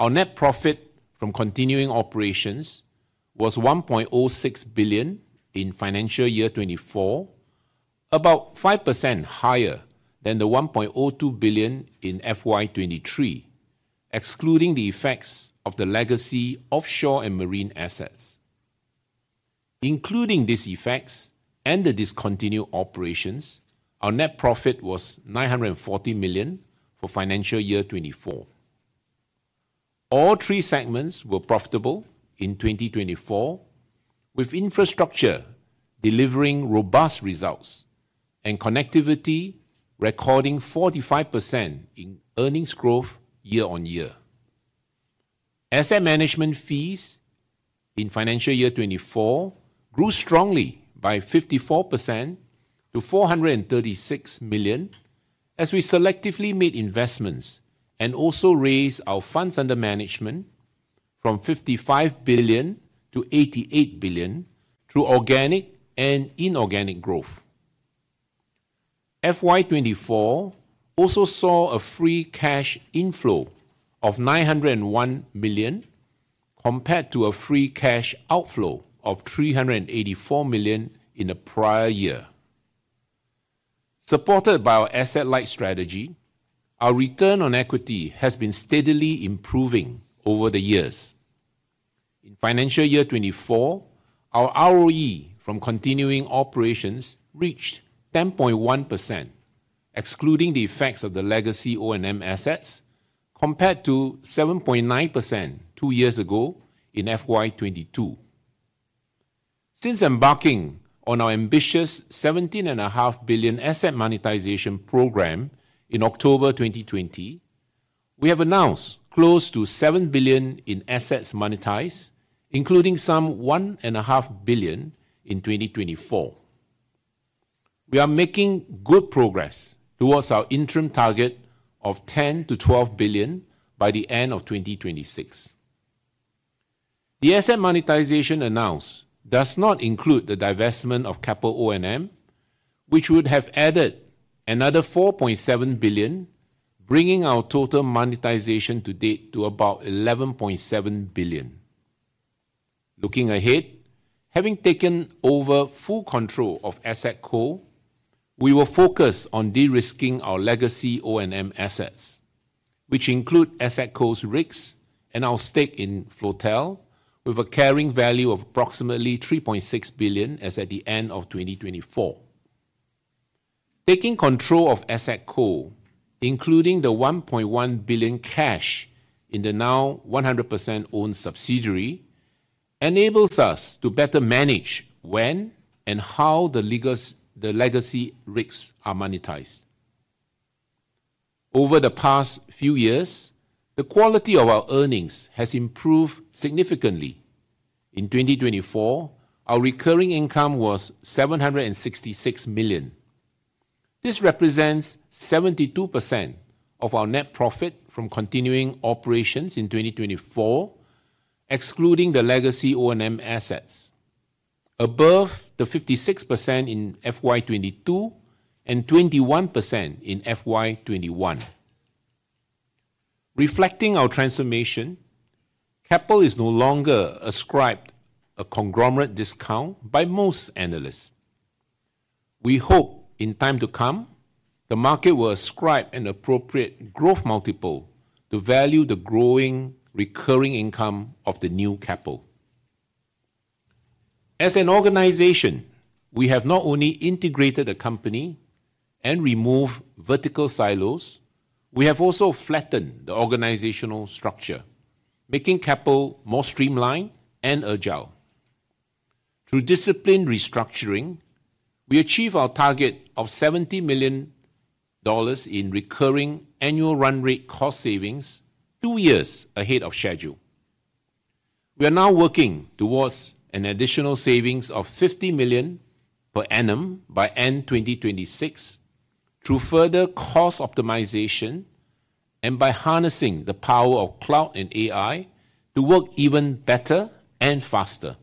Our net profit from continuing operations was 1.06 billion in financial year 2024, about 5% higher than the 1.02 billion in FY2023, excluding the effects of the legacy offshore and marine assets. Including these effects and the discontinued operations, our net profit was 940 million for financial year 2024. All three segments were profitable in 2024, with infrastructure delivering robust results and connectivity recording 45% in earnings growth year on year. Asset management fees in financial year 2024 grew strongly by 54% to 436 million as we selectively made investments and also raised our funds under management from 55 billion to 88 billion through organic and inorganic growth. FY2024 also saw a free cash inflow of 901 million compared to a free cash outflow of 384 million in the prior year. Supported by our asset-light strategy, our return on equity has been steadily improving over the years. In financial year 24, our ROE from continuing operations reached 10.1%, excluding the effects of the legacy O&M assets, compared to 7.9% two years ago in FY22. Since embarking on our ambitious 17.5 billion asset monetization program in October 2020, we have announced close to 7 billion in assets monetized, including some 1.5 billion in 2024. We are making good progress towards our interim target of 10-12 billion by the end of 2026. The asset monetization announced does not include the divestment of Keppel O&M, which would have added another SGD 4.7 billion, bringing our total monetization to date to about SGD 11.7 billion. Looking ahead, having taken over full control of AssetCo, we will focus on de-risking our legacy O&M assets, which include AssetCo's REITs and our stake in Floatel, with a carrying value of approximately SGD 3.6 billion as at the end of 2024. Taking control of AssetCo, including the 1.1 billion cash in the now 100% owned subsidiary, enables us to better manage when and how the legacy REITs are monetized. Over the past few years, the quality of our earnings has improved significantly. In 2024, our recurring income was 766 million. This represents 72% of our net profit from continuing operations in 2024, excluding the legacy O&M assets, above the 56% in FY22 and 21% in FY21. Reflecting our transformation, Keppel is no longer ascribed a conglomerate discount by most analysts. We hope in time to come, the market will ascribe an appropriate growth multiple to value the growing recurring income of the new Keppel. As an organization, we have not only integrated the company and removed vertical silos, we have also flattened the organizational structure, making Keppel more streamlined and agile. Through disciplined restructuring, we achieved our target of SGD 70 million in recurring annual run rate cost savings two years ahead of schedule. We are now working towards an additional savings of 50 million per annum by end 2026 through further cost optimization and by harnessing the power of cloud and AI to work even better and faster.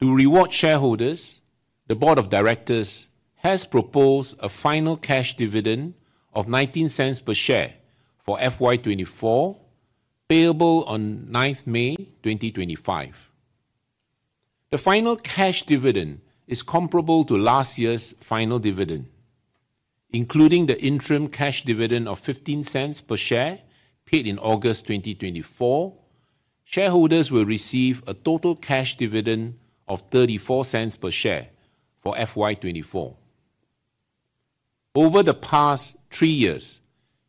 To reward shareholders, the Board of Directors has proposed a final cash dividend of 0.19 per share for FY24, payable on 9 May 2025. The final cash dividend is comparable to last year's final dividend. Including the interim cash dividend of 0.15 per share paid in August 2024, shareholders will receive a total cash dividend of 0.34 per share for FY24. Over the past three years,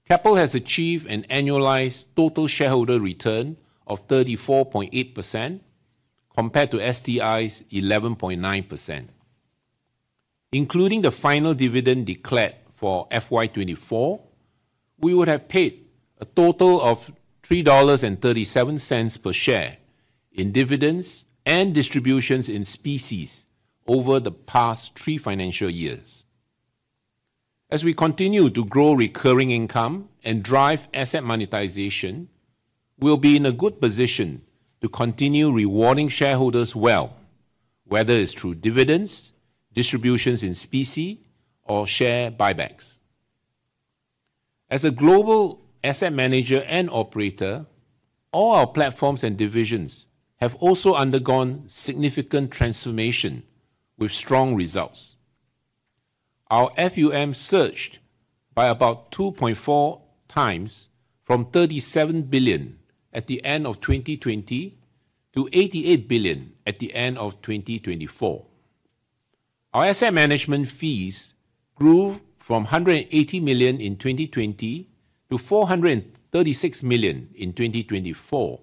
Keppel has achieved an annualized total shareholder return of 34.8% compared to STI's 11.9%. Including the final dividend declared for FY24, we would have paid a total of SGD 3.37 per share in dividends and distributions in specie over the past three financial years. As we continue to grow recurring income and drive asset monetization, we will be in a good position to continue rewarding shareholders well, whether it is through dividends, distributions in specie, or share buybacks. As a global asset manager and operator, all our platforms and divisions have also undergone significant transformation with strong results. Our FUM surged by about 2.4 times from 37 billion at the end of 2020 to 88 billion at the end of 2024. Our asset management fees grew from 180 million in 2020 to 436 million in 2024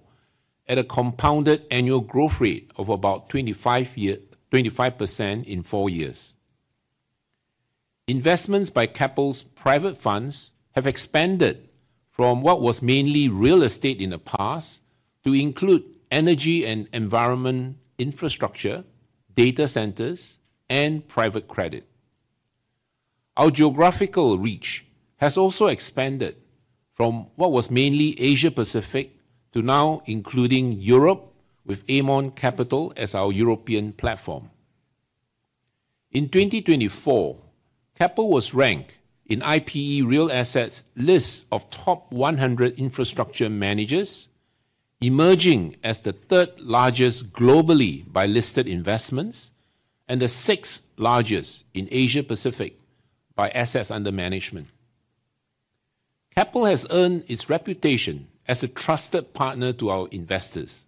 at a compounded annual growth rate of about 25% in four years. Investments by Keppel's private funds have expanded from what was mainly real estate in the past to include energy and environment infrastructure, data centers, and private credit. Our geographical reach has also expanded from what was mainly Asia-Pacific to now including Europe with Aermont Capital as our European platform. In 2024, Keppel was ranked in IPE Real Assets' list of top 100 infrastructure managers, emerging as the third largest globally by listed investments and the sixth largest in Asia-Pacific by assets under management. Keppel has earned its reputation as a trusted partner to our investors.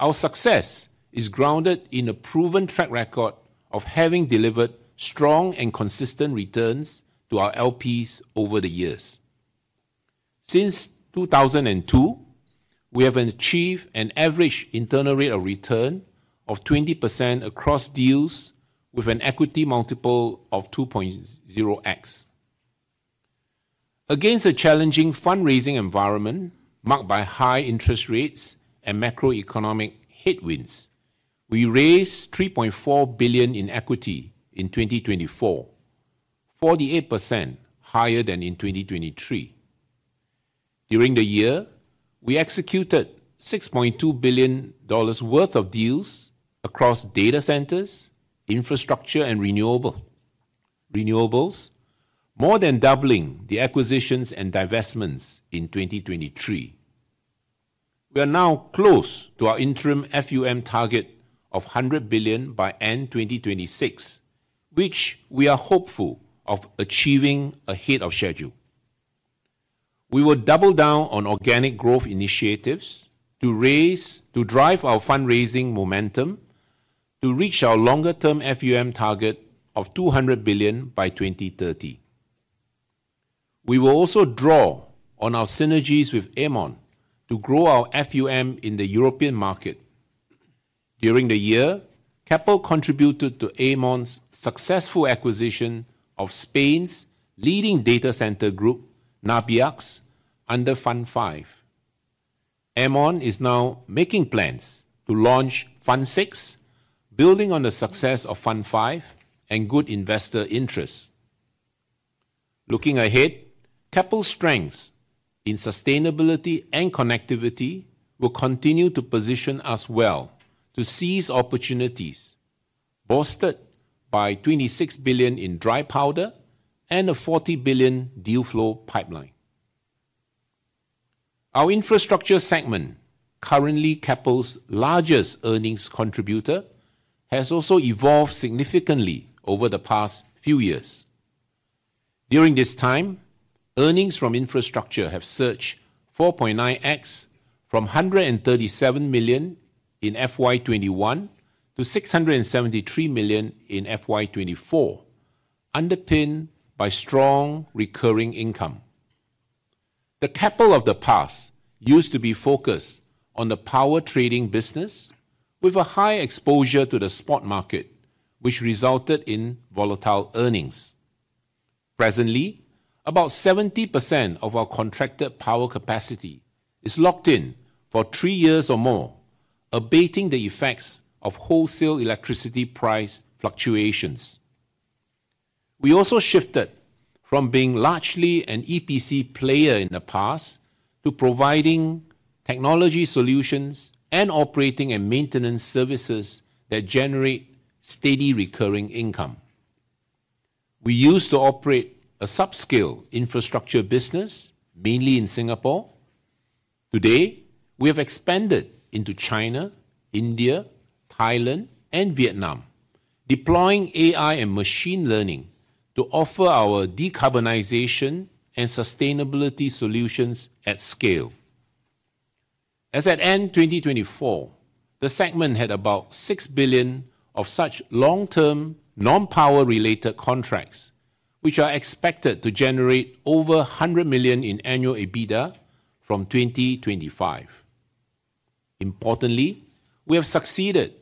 Our success is grounded in a proven track record of having delivered strong and consistent returns to our LPs over the years. Since 2002, we have achieved an average internal rate of return of 20% across deals with an equity multiple of 2.0x. Against a challenging fundraising environment marked by high interest rates and macroeconomic headwinds, we raised $3.4 billion in equity in 2024, 48% higher than in 2023. During the year, we executed $6.2 billion worth of deals across data centers, infrastructure, and renewables, more than doubling the acquisitions and divestments in 2023. We are now close to our interim FUM target of $100 billion by end 2026, which we are hopeful of achieving ahead of schedule. We will double down on organic growth initiatives to drive our fundraising momentum to reach our longer-term FUM target of $200 billion by 2030. We will also draw on our synergies with Aermont to grow our FUM in the European market. During the year, Keppel contributed to Aermont's successful acquisition of Spain's leading data center group, Nabiax, under Fund V. Aermont is now making plans to launch Fund VI, building on the success of Fund V and good investor interest. Looking ahead, Keppel's strengths in sustainability and connectivity will continue to position us well to seize opportunities, bolstered by $26 billion in dry powder and a $40 billion deal flow pipeline. Our infrastructure segment, currently Keppel's largest earnings contributor, has also evolved significantly over the past few years. During this time, earnings from infrastructure have surged 4.9x, from $137 million in FY 2021 to $673 million in FY 2024, underpinned by strong recurring income. The Keppel of the past used to be focused on the power trading business, with a high exposure to the spot market, which resulted in volatile earnings. Presently, about 70% of our contracted power capacity is locked in for three years or more, abating the effects of wholesale electricity price fluctuations. We also shifted from being largely an EPC player in the past to providing technology solutions and operating and maintenance services that generate steady recurring income. We used to operate a subscale infrastructure business mainly in Singapore. Today, we have expanded into China, India, Thailand, and Vietnam, deploying AI and machine learning to offer our decarbonization and sustainability solutions at scale. As at end 2024, the segment had about 6 billion of such long-term non-power-related contracts, which are expected to generate over 100 million in annual EBITDA from 2025. Importantly, we have succeeded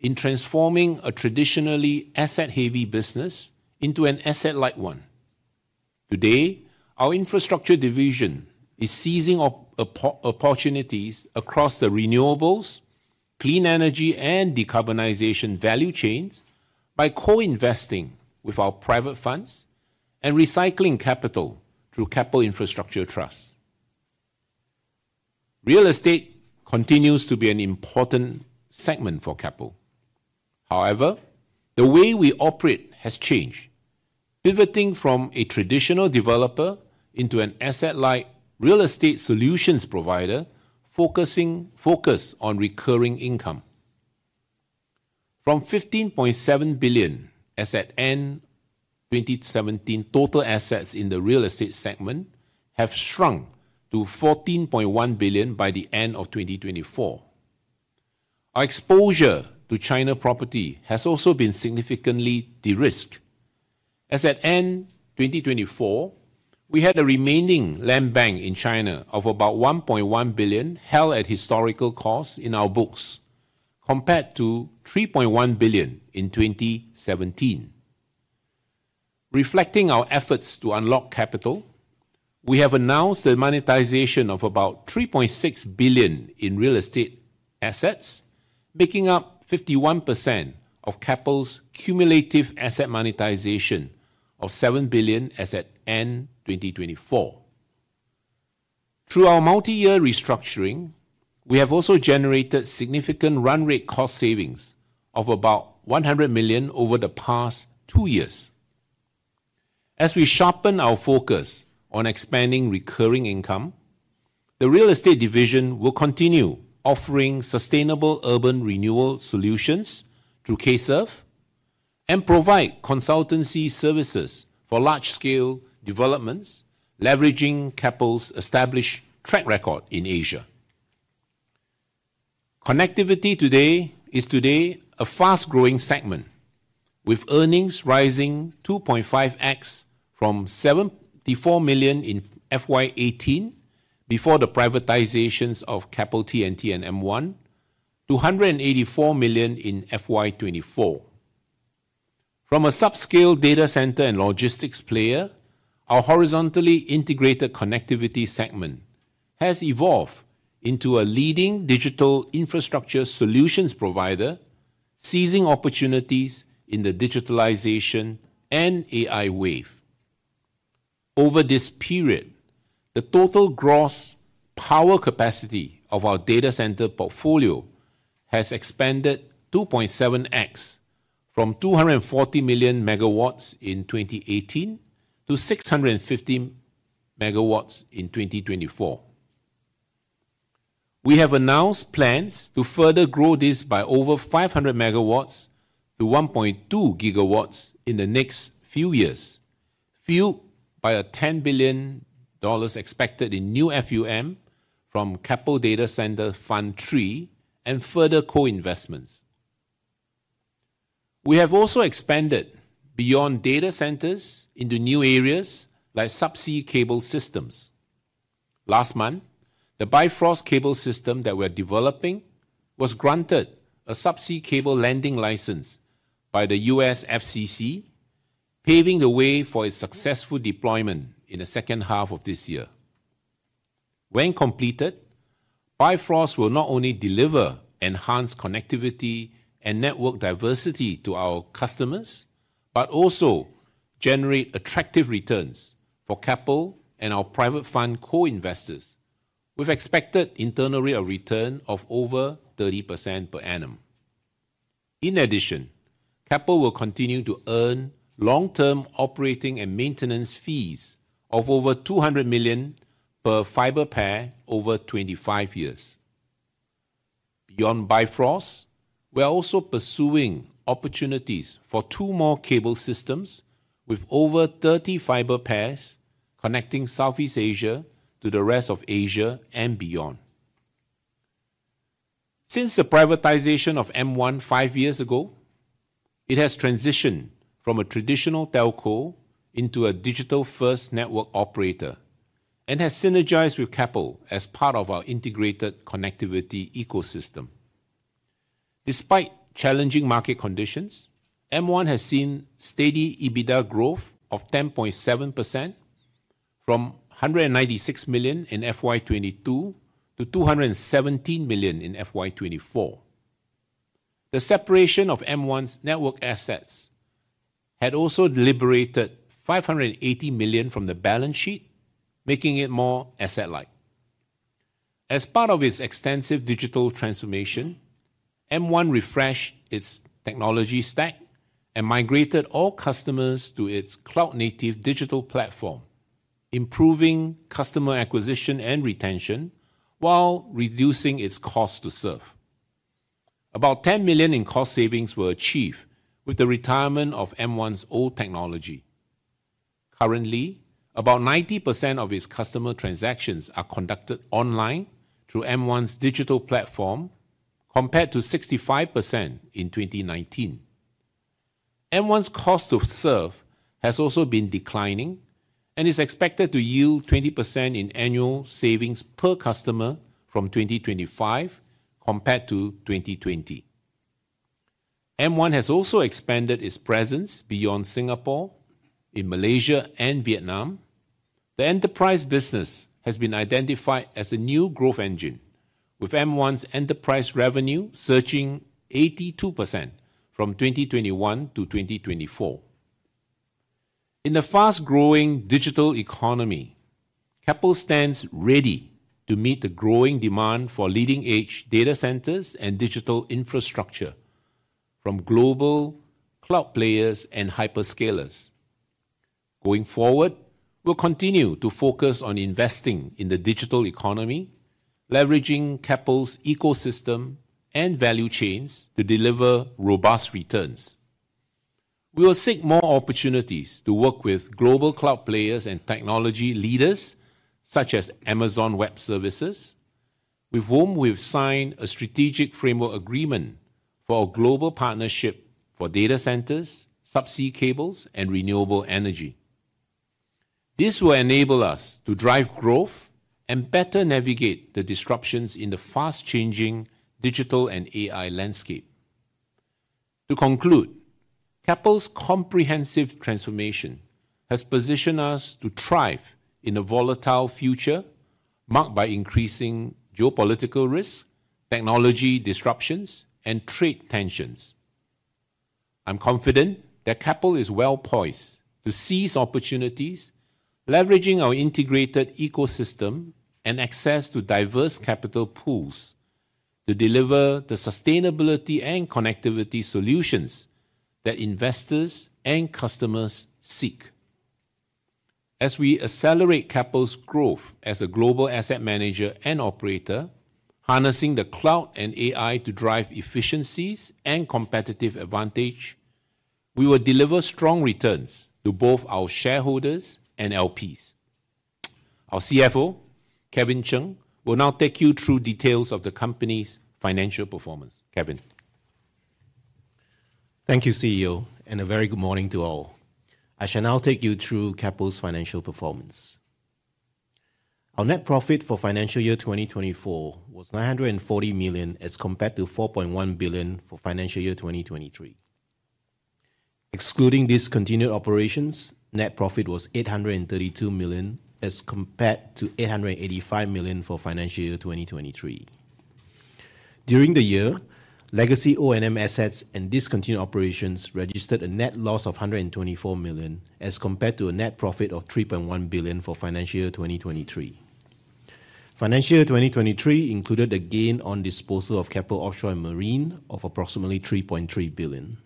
in transforming a traditionally asset-heavy business into an asset-light one. Today, our infrastructure division is seizing opportunities across the renewables, clean energy, and decarbonization value chains by co-investing with our private funds and recycling capital through Keppel Infrastructure Trusts. Real estate continues to be an important segment for Keppel. However, the way we operate has changed, pivoting from a traditional developer into an asset-light real estate solutions provider focused on recurring income. From 15.7 billion as at end 2017, total assets in the real estate segment have shrunk to 14.1 billion by the end of 2024. Our exposure to China property has also been significantly de-risked. As at end 2024, we had a remaining land bank in China of about 1.1 billion held at historical costs in our books, compared to 3.1 billion in 2017. Reflecting our efforts to unlock capital, we have announced the monetization of about 3.6 billion in real estate assets, making up 51% of Keppel's cumulative asset monetization of 7 billion as at end 2024. Through our multi-year restructuring, we have also generated significant run rate cost savings of about 100 million over the past two years. As we sharpen our focus on expanding recurring income, the real estate division will continue offering sustainable urban renewal solutions through K-SUR and provide consultancy services for large-scale developments, leveraging Keppel's established track record in Asia. Connectivity is a fast-growing segment, with earnings rising 2.5x from 74 million in FY18 before the privatizations of Keppel T&T and M1 to 184 million in FY24. From a subscale data center and logistics player, our horizontally integrated connectivity segment has evolved into a leading digital infrastructure solutions provider, seizing opportunities in the digitalization and AI wave. Over this period, the total gross power capacity of our data center portfolio has expanded 2.7x from 240 MW in 2018 to 650 MW in 2024. We have announced plans to further grow this by over 500 MW to 1.2 GW in the next few years, fueled by a $10 billion expected in new FUM from Keppel Data Centre Fund III and further co-investments. We have also expanded beyond data centres into new areas like subsea cable systems. Last month, the Bifrost cable system that we are developing was granted a subsea cable landing license by the U.S. FCC, paving the way for its successful deployment in the second half of this year. When completed, Bifrost will not only deliver enhanced connectivity and network diversity to our customers but also generate attractive returns for Keppel and our private fund co-investors, with expected internal rate of return of over 30% per annum. In addition, Keppel will continue to earn long-term operating and maintenance fees of over $200 million per fiber pair over 25 years. Beyond Bifrost, we are also pursuing opportunities for two more cable systems with over 30 fiber pairs connecting Southeast Asia to the rest of Asia and beyond. Since the privatization of M1 five years ago, it has transitioned from a traditional telco into a digital-first network operator and has synergized with Keppel as part of our integrated connectivity ecosystem. Despite challenging market conditions, M1 has seen steady EBITDA growth of 10.7% from 196 million in FY22 to 217 million in FY24. The separation of M1's network assets had also liberated 580 million from the balance sheet, making it more asset-light. As part of its extensive digital transformation, M1 refreshed its technology stack and migrated all customers to its cloud-native digital platform, improving customer acquisition and retention while reducing its cost to serve. About 10 million in cost savings were achieved with the retirement of M1's old technology. Currently, about 90% of its customer transactions are conducted online through M1's digital platform, compared to 65% in 2019. M1's cost to serve has also been declining and is expected to yield 20% in annual savings per customer from 2025 compared to 2020. M1 has also expanded its presence beyond Singapore, in Malaysia and Vietnam. The enterprise business has been identified as a new growth engine, with M1's enterprise revenue surging 82% from 2021 to 2024. In the fast-growing digital economy, Keppel stands ready to meet the growing demand for leading-edge data centers and digital infrastructure from global cloud players and hyperscalers. Going forward, we will continue to focus on investing in the digital economy, leveraging Keppel's ecosystem and value chains to deliver robust returns. We will seek more opportunities to work with global cloud players and technology leaders such as Amazon Web Services, with whom we have signed a strategic framework agreement for a global partnership for data centers, subsea cables, and renewable energy. This will enable us to drive growth and better navigate the disruptions in the fast-changing digital and AI landscape. To conclude, Keppel's comprehensive transformation has positioned us to thrive in a volatile future marked by increasing geopolitical risk, technology disruptions, and trade tensions. I am confident that Keppel is well poised to seize opportunities, leveraging our integrated ecosystem and access to diverse capital pools to deliver the sustainability and connectivity solutions that investors and customers seek. As we accelerate Keppel's growth as a global asset manager and operator, harnessing the cloud and AI to drive efficiencies and competitive advantage, we will deliver strong returns to both our shareholders and LPs. Our CFO, Kevin Chng, will now take you through details of the company's financial performance. Kevin. Thank you, CEO, and a very good morning to all. I shall now take you through Keppel's financial performance. Our net profit for financial year 2024 was 940 million as compared to 4.1 billion for financial year 2023. Excluding discontinued operations, net profit was 832 million as compared to 885 million for financial year 2023. During the year, legacy O&M assets and discontinued operations registered a net loss of SGD 124 million as compared to a net profit of SGD 3.1 billion for financial year 2023. Financial year 2023 included a gain on disposal of Keppel Offshore & Marine of approximately 3.3 billion.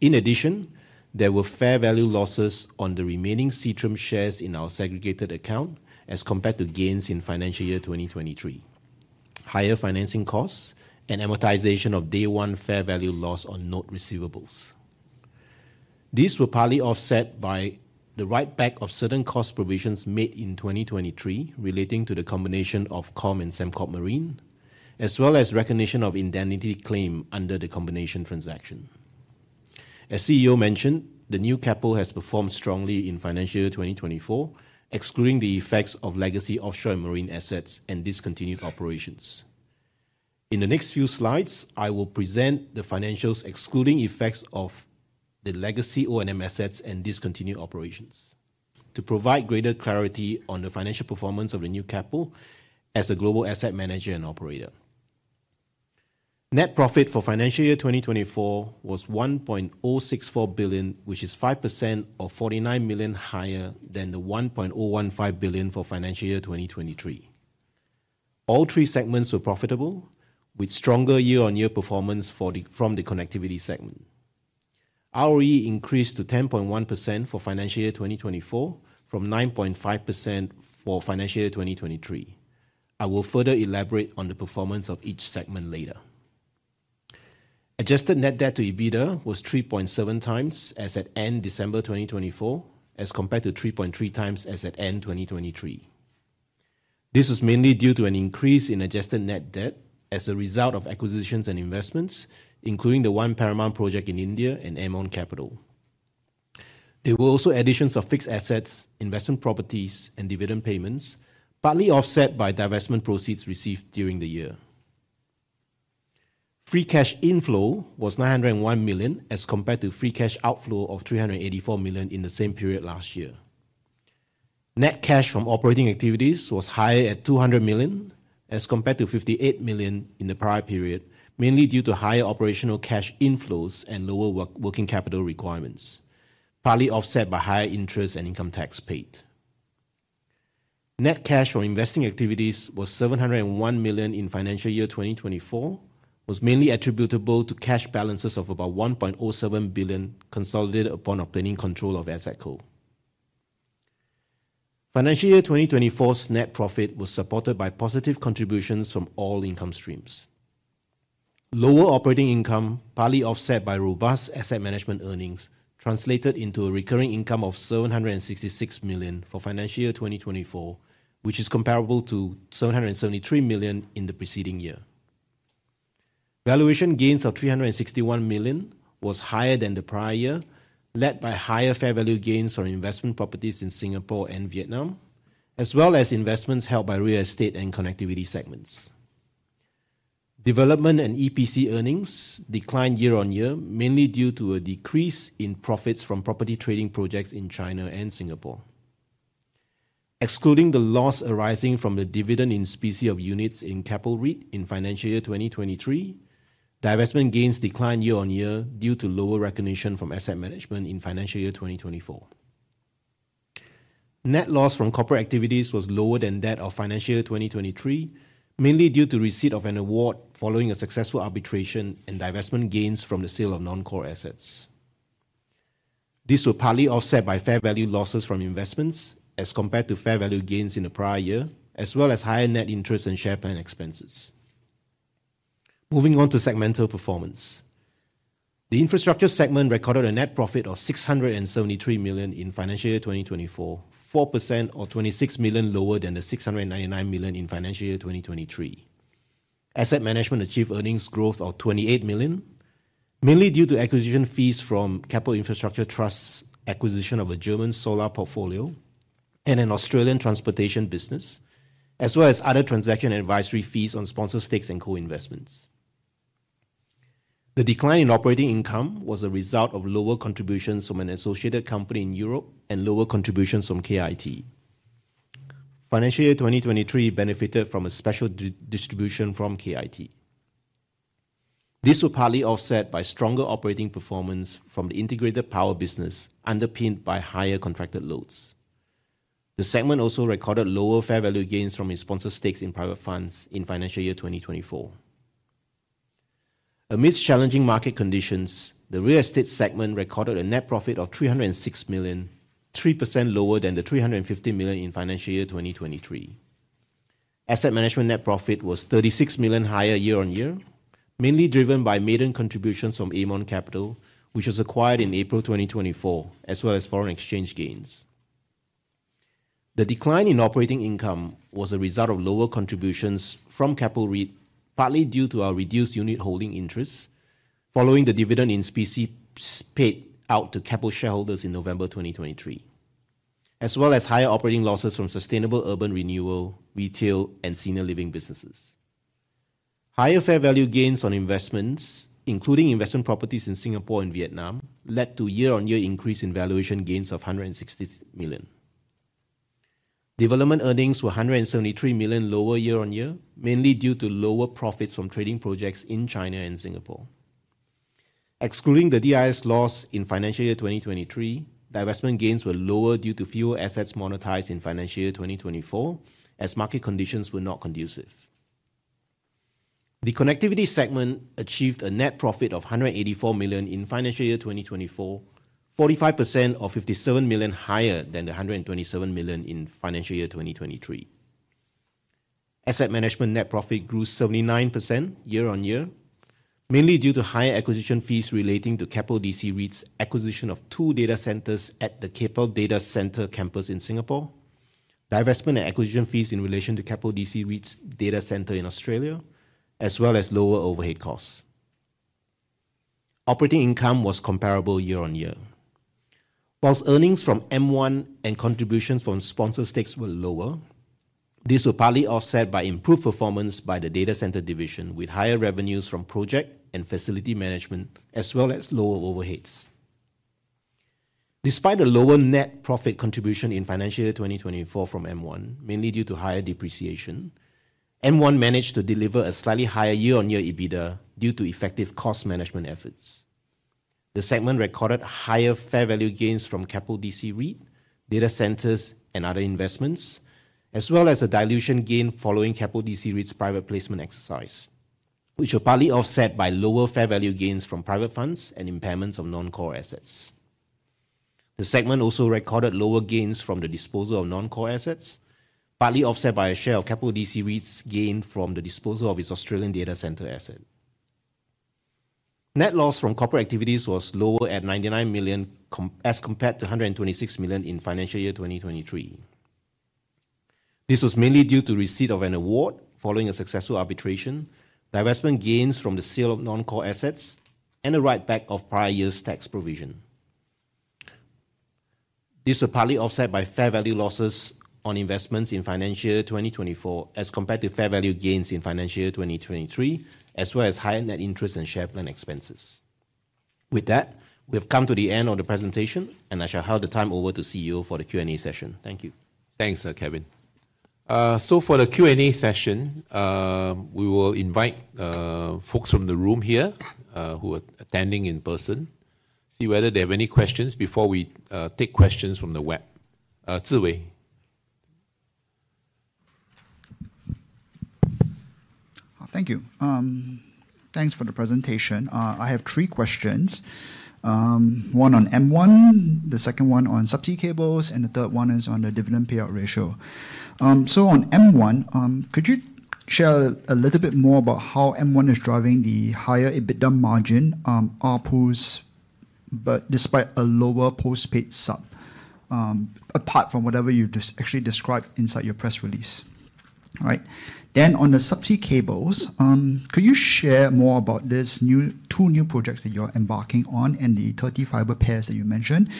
In addition, there were fair value losses on the remaining Seatrium shares in our segregated account as compared to gains in financial year 2023, higher financing costs, and amortization of day-one fair value loss on note receivables. This was partly offset by the write-back of certain cost provisions made in 2023 relating to the combination of Keppel O&M and Sembcorp Marine, as well as recognition of indemnity claim under the combination transaction. As CEO mentioned, the new Keppel has performed strongly in financial year 2024, excluding the effects of legacy Offshore & Marine assets and discontinued operations. In the next few slides, I will present the financials excluding effects of the legacy O&M assets and discontinued operations to provide greater clarity on the financial performance of the new Keppel as a global asset manager and operator. Net profit for financial year 2024 was 1.064 billion, which is 5% or 49 million higher than the 1.015 billion for financial year 2023. All three segments were profitable, with stronger year-on-year performance from the connectivity segment. ROE increased to 10.1% for financial year 2024 from 9.5% for financial year 2023. I will further elaborate on the performance of each segment later. Adjusted net debt to EBITDA was 3.7 times as at end December 2024 as compared to 3.3 times as at end 2023. This was mainly due to an increase in adjusted net debt as a result of acquisitions and investments, including the One Paramount project in India and Aermont Capital. There were also additions of fixed assets, investment properties, and dividend payments, partly offset by divestment proceeds received during the year. Free cash inflow was 901 million as compared to free cash outflow of 384 million in the same period last year. Net cash from operating activities was higher at 200 million as compared to 58 million in the prior period, mainly due to higher operational cash inflows and lower working capital requirements, partly offset by higher interest and income tax paid. Net cash from investing activities was SGD 701 million in financial year 2024, which was mainly attributable to cash balances of about SGD 1.07 billion consolidated upon obtaining control of Asset Co. Financial year 2024's net profit was supported by positive contributions from all income streams. Lower operating income, partly offset by robust asset management earnings, translated into a recurring income of 766 million for financial year 2024, which is comparable to 773 million in the preceding year. Valuation gains of 361 million was higher than the prior year, led by higher fair value gains from investment properties in Singapore and Vietnam, as well as investments held by real estate and connectivity segments. Development and EPC earnings declined year-on-year, mainly due to a decrease in profits from property trading projects in China and Singapore. Excluding the loss arising from the dividend in specie of units in Keppel REIT in financial year 2023, divestment gains declined year-on-year due to lower recognition from asset management in financial year 2024. Net loss from corporate activities was lower than that of financial year 2023, mainly due to receipt of an award following a successful arbitration and divestment gains from the sale of non-core assets. This was partly offset by fair value losses from investments as compared to fair value gains in the prior year, as well as higher net interest and share plan expenses. Moving on to segmental performance. The infrastructure segment recorded a net profit of SGD 673 million in financial year 2024, 4% or SGD 26 million lower than the SGD 699 million in financial year 2023. Asset management achieved earnings growth of SGD 28 million, mainly due to acquisition fees from Keppel Infrastructure Trust's acquisition of a German solar portfolio and an Australian transportation business, as well as other transaction advisory fees on sponsored stakes and co-investments. The decline in operating income was a result of lower contributions from an associated company in Europe and lower contributions from KIT. Financial year 2023 benefited from a special distribution from KIT. This was partly offset by stronger operating performance from the integrated power business, underpinned by higher contracted loads. The segment also recorded lower fair value gains from its sponsored stakes in private funds in financial year 2024. Amidst challenging market conditions, the real estate segment recorded a net profit of 306 million, 3% lower than the 350 million in financial year 2023. Asset management net profit was 36 million higher year-on-year, mainly driven by maiden contributions from Aermont Capital, which was acquired in April 2024, as well as foreign exchange gains. The decline in operating income was a result of lower contributions from Keppel REIT, partly due to our reduced unit holding interest following the dividend in specie paid out to Keppel shareholders in November 2023, as well as higher operating losses from sustainable urban renewal, retail, and senior living businesses. Higher fair value gains on investments, including investment properties in Singapore and Vietnam, led to year-on-year increase in valuation gains of $160 million. Development earnings were $173 million lower year-on-year, mainly due to lower profits from trading projects in China and Singapore. Excluding the DIS loss in financial year 2023, divestment gains were lower due to fewer assets monetized in financial year 2024 as market conditions were not conducive. The connectivity segment achieved a net profit of $184 million in financial year 2024, 45% or $57 million higher than the $127 million in financial year 2023. Asset management net profit grew 79% year-on-year, mainly due to higher acquisition fees relating to Keppel DC REIT's acquisition of two data centers at the Keppel Data Centre Campus in Singapore, divestment and acquisition fees in relation to Keppel DC REIT's data center in Australia, as well as lower overhead costs. Operating income was comparable year-on-year. While earnings from M1 and contributions from sponsored stakes were lower, this was partly offset by improved performance by the data center division, with higher revenues from project and facility management, as well as lower overheads. Despite a lower net profit contribution in financial year 2024 from M1, mainly due to higher depreciation, M1 managed to deliver a slightly higher year-on-year EBITDA due to effective cost management efforts. The segment recorded higher fair value gains from Keppel DC REIT, data centers, and other investments, as well as a dilution gain following Keppel DC REIT's private placement exercise, which was partly offset by lower fair value gains from private funds and impairments of non-core assets. The segment also recorded lower gains from the disposal of non-core assets, partly offset by a share of Keppel DC REIT's gain from the disposal of its Australian data center asset. Net loss from corporate activities was lower at 99 million as compared to 126 million in financial year 2023. This was mainly due to receipt of an award following a successful arbitration, divestment gains from the sale of non-core assets, and the write-back of prior year's tax provision. This was partly offset by fair value losses on investments in financial year 2024 as compared to fair value gains in financial year 2023, as well as higher net interest and share plan expenses. With that, we have come to the end of the presentation, and I shall hand the time over to the CEO for the Q&A session. Thank you. Thanks, Kevin. For the Q&A session, we will invite folks from the room here who are attending in person, see whether they have any questions before we take questions from the web. Zhiwei. Thank you. Thanks for the presentation. I have three questions. One on M1, the second one on subsea cables, and the third one is on the dividend payout ratio. So on M1, could you share a little bit more about how M1 is driving the higher EBITDA margins ARPUs despite a lower postpaid subs, apart from whatever you actually described inside your press release? All right. Then on the subsea cables, could you share more about these two new projects that you are embarking on and the 30 fiber pairs that you mentioned?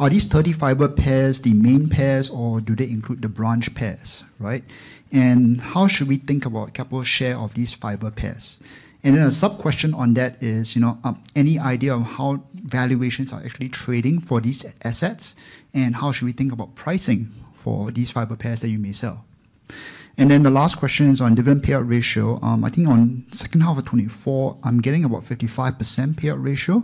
Are these 30 fiber pairs the main pairs, or do they include the branch pairs? Right. And how should we think about Keppel's share of these fiber pairs? And then a sub-question on that is, you know, any idea of how valuations are actually trading for these assets and how should we think about pricing for these fiber pairs that you may sell? Then the last question is on dividend payout ratio. I think on the second half of 2024, I'm getting about 55% payout ratio.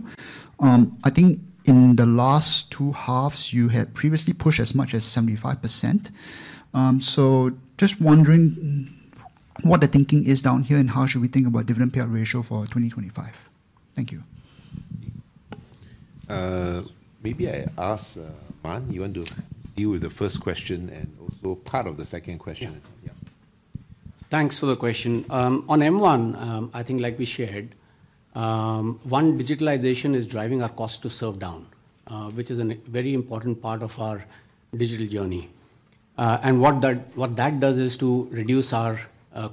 I think in the last two halves, you had previously pushed as much as 75%. So just wondering what the thinking is down here and how should we think about dividend payout ratio for 2025? Thank you. Maybe I ask one. You want to deal with the first question and also part of the second question? Yeah. Thanks for the question. On M1, I think, like we shared, one, digitalization is driving our cost to serve down, which is a very important part of our digital journey. And what that does is to reduce our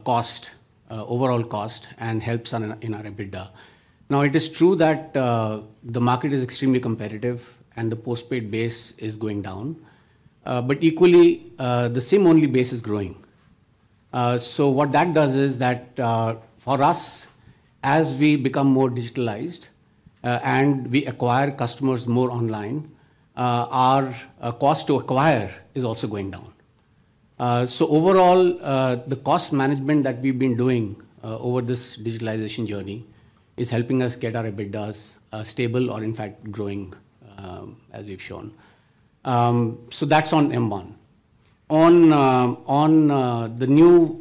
cost, overall cost, and helps in our EBITDA. Now, it is true that the market is extremely competitive and the postpaid base is going down, but equally, the SIM-only base is growing. So what that does is that for us, as we become more digitalized and we acquire customers more online, our cost to acquire is also going down. So overall, the cost management that we've been doing over this digitalization journey is helping us get our EBITDA stable or, in fact, growing, as we've shown. So that's on M1. On the new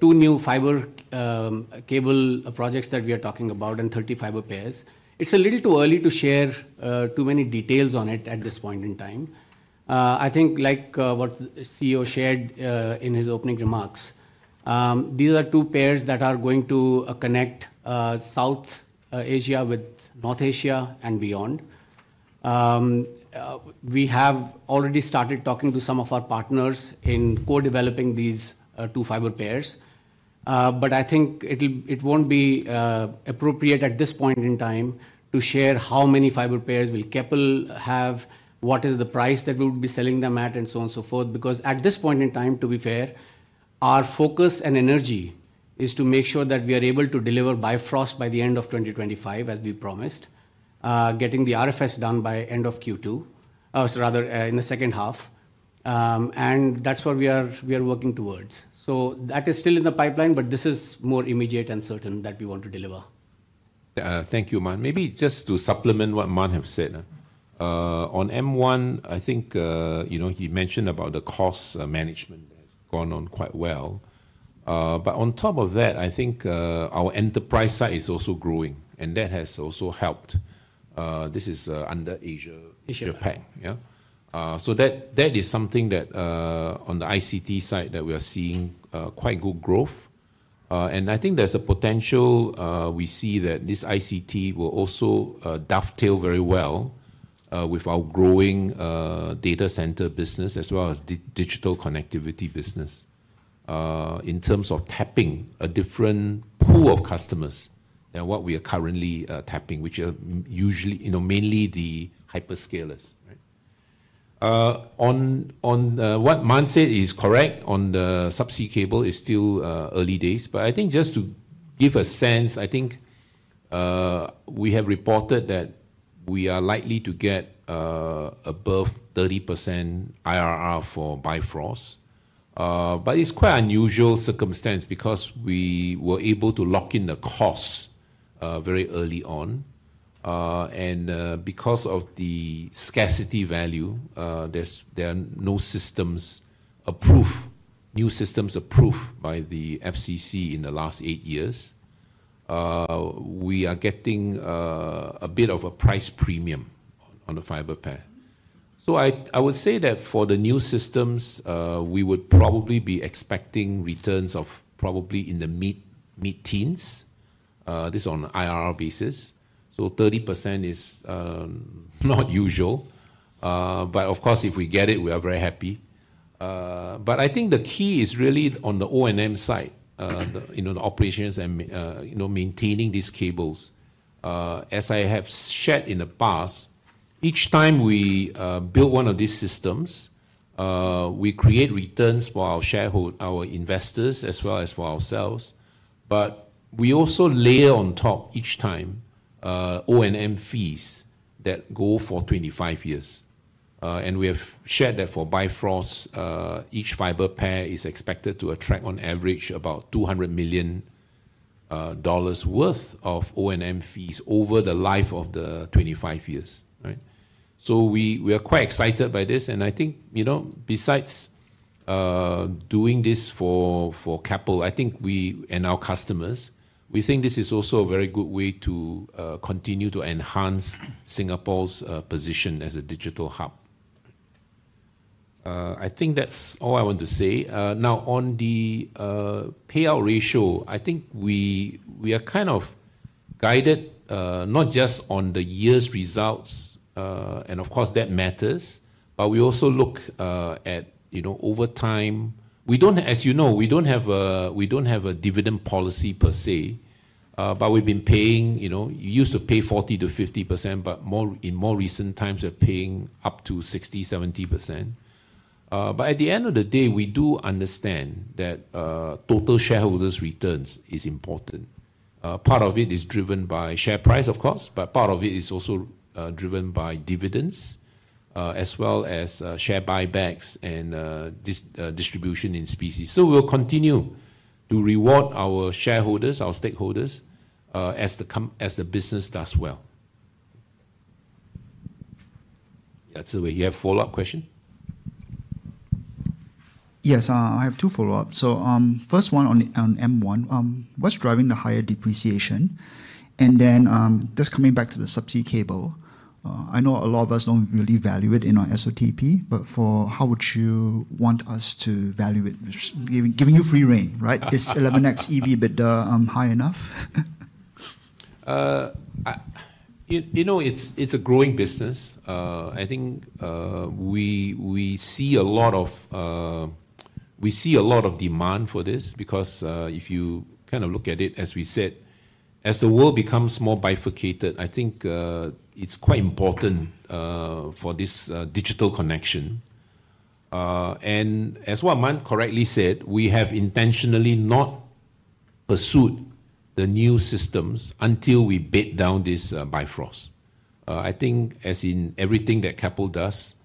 two fiber cable projects that we are talking about and 30 fiber pairs, it's a little too early to share too many details on it at this point in time. I think, like what the CEO shared in his opening remarks, these are two pairs that are going to connect South Asia with North Asia and beyond. We have already started talking to some of our partners in co-developing these two fiber pairs, but I think it won't be appropriate at this point in time to share how many fiber pairs will Keppel have, what is the price that we'll be selling them at, and so on and so forth, because at this point in time, to be fair, our focus and energy is to make sure that we are able to deliver Bifrost by the end of 2025, as we promised, getting the RFS done by end of Q2, rather, in the second half, and that's what we are working towards, so that is still in the pipeline, but this is more immediate and certain that we want to deliver. Thank you, Man. Maybe just to supplement what Man has said, on M1, I think, you know, he mentioned about the cost management has gone on quite well. But on top of that, I think our enterprise side is also growing, and that has also helped. This is under Asia Japan. Yeah. So that is something that on the ICT side that we are seeing quite good growth. And I think there's a potential we see that this ICT will also dovetail very well with our growing data center business, as well as digital connectivity business, in terms of tapping a different pool of customers than what we are currently tapping, which are usually, you know, mainly the hyperscalers. On what Man said is correct, on the subsea cable, it's still early days. But I think just to give a sense, I think we have reported that we are likely to get above 30% IRR for Bifrost. But it's quite an unusual circumstance because we were able to lock in the cost very early on. And because of the scarcity value, there are no new systems approved by the FCC in the last eight years, we are getting a bit of a price premium on the fiber pair. So I would say that for the new systems, we would probably be expecting returns of probably in the mid-teens. This is on an IRR basis. So 30% is not usual. But of course, if we get it, we are very happy. But I think the key is really on the O&M side, you know, the operations and maintaining these cables. As I have shared in the past, each time we build one of these systems, we create returns for our shareholders, our investors, as well as for ourselves. But we also layer on top each time O&M fees that go for 25 years. And we have shared that for Bifrost, each fiber pair is expected to attract, on average, about $200 million worth of O&M fees over the life of the 25 years. Right. So we are quite excited by this. And I think, you know, besides doing this for Keppel, I think we and our customers, we think this is also a very good way to continue to enhance Singapore's position as a digital hub. I think that's all I want to say. Now, on the payout ratio, I think we are kind of guided not just on the year's results, and of course, that matters, but we also look at, you know, over time. We don't, as you know, we don't have a dividend policy per se, but we've been paying, you know, you used to pay 40%-50%, but in more recent times, we're paying up to 60%-70%. But at the end of the day, we do understand that total shareholders' returns are important. Part of it is driven by share price, of course, but part of it is also driven by dividends, as well as share buybacks and distribution in specie. So we'll continue to reward our shareholders, our stakeholders, as the business does well. That's it. You have a follow-up question? Yes, I have two follow-ups. So first one on M1, what's driving the higher depreciation? And then, just coming back to the subsea cable, I know a lot of us don't really value it in our SOTP, but how would you want us to value it? Giving you free rein, right? Is 11x EV/EBITDA high enough? You know, it's a growing business. I think we see a lot of demand for this because if you kind of look at it, as we said, as the world becomes more bifurcated, I think it's quite important for this digital connection. And as what Man correctly said, we have intentionally not pursued the new systems until we bed down this Bifrost. I think, as in everything that Keppel does,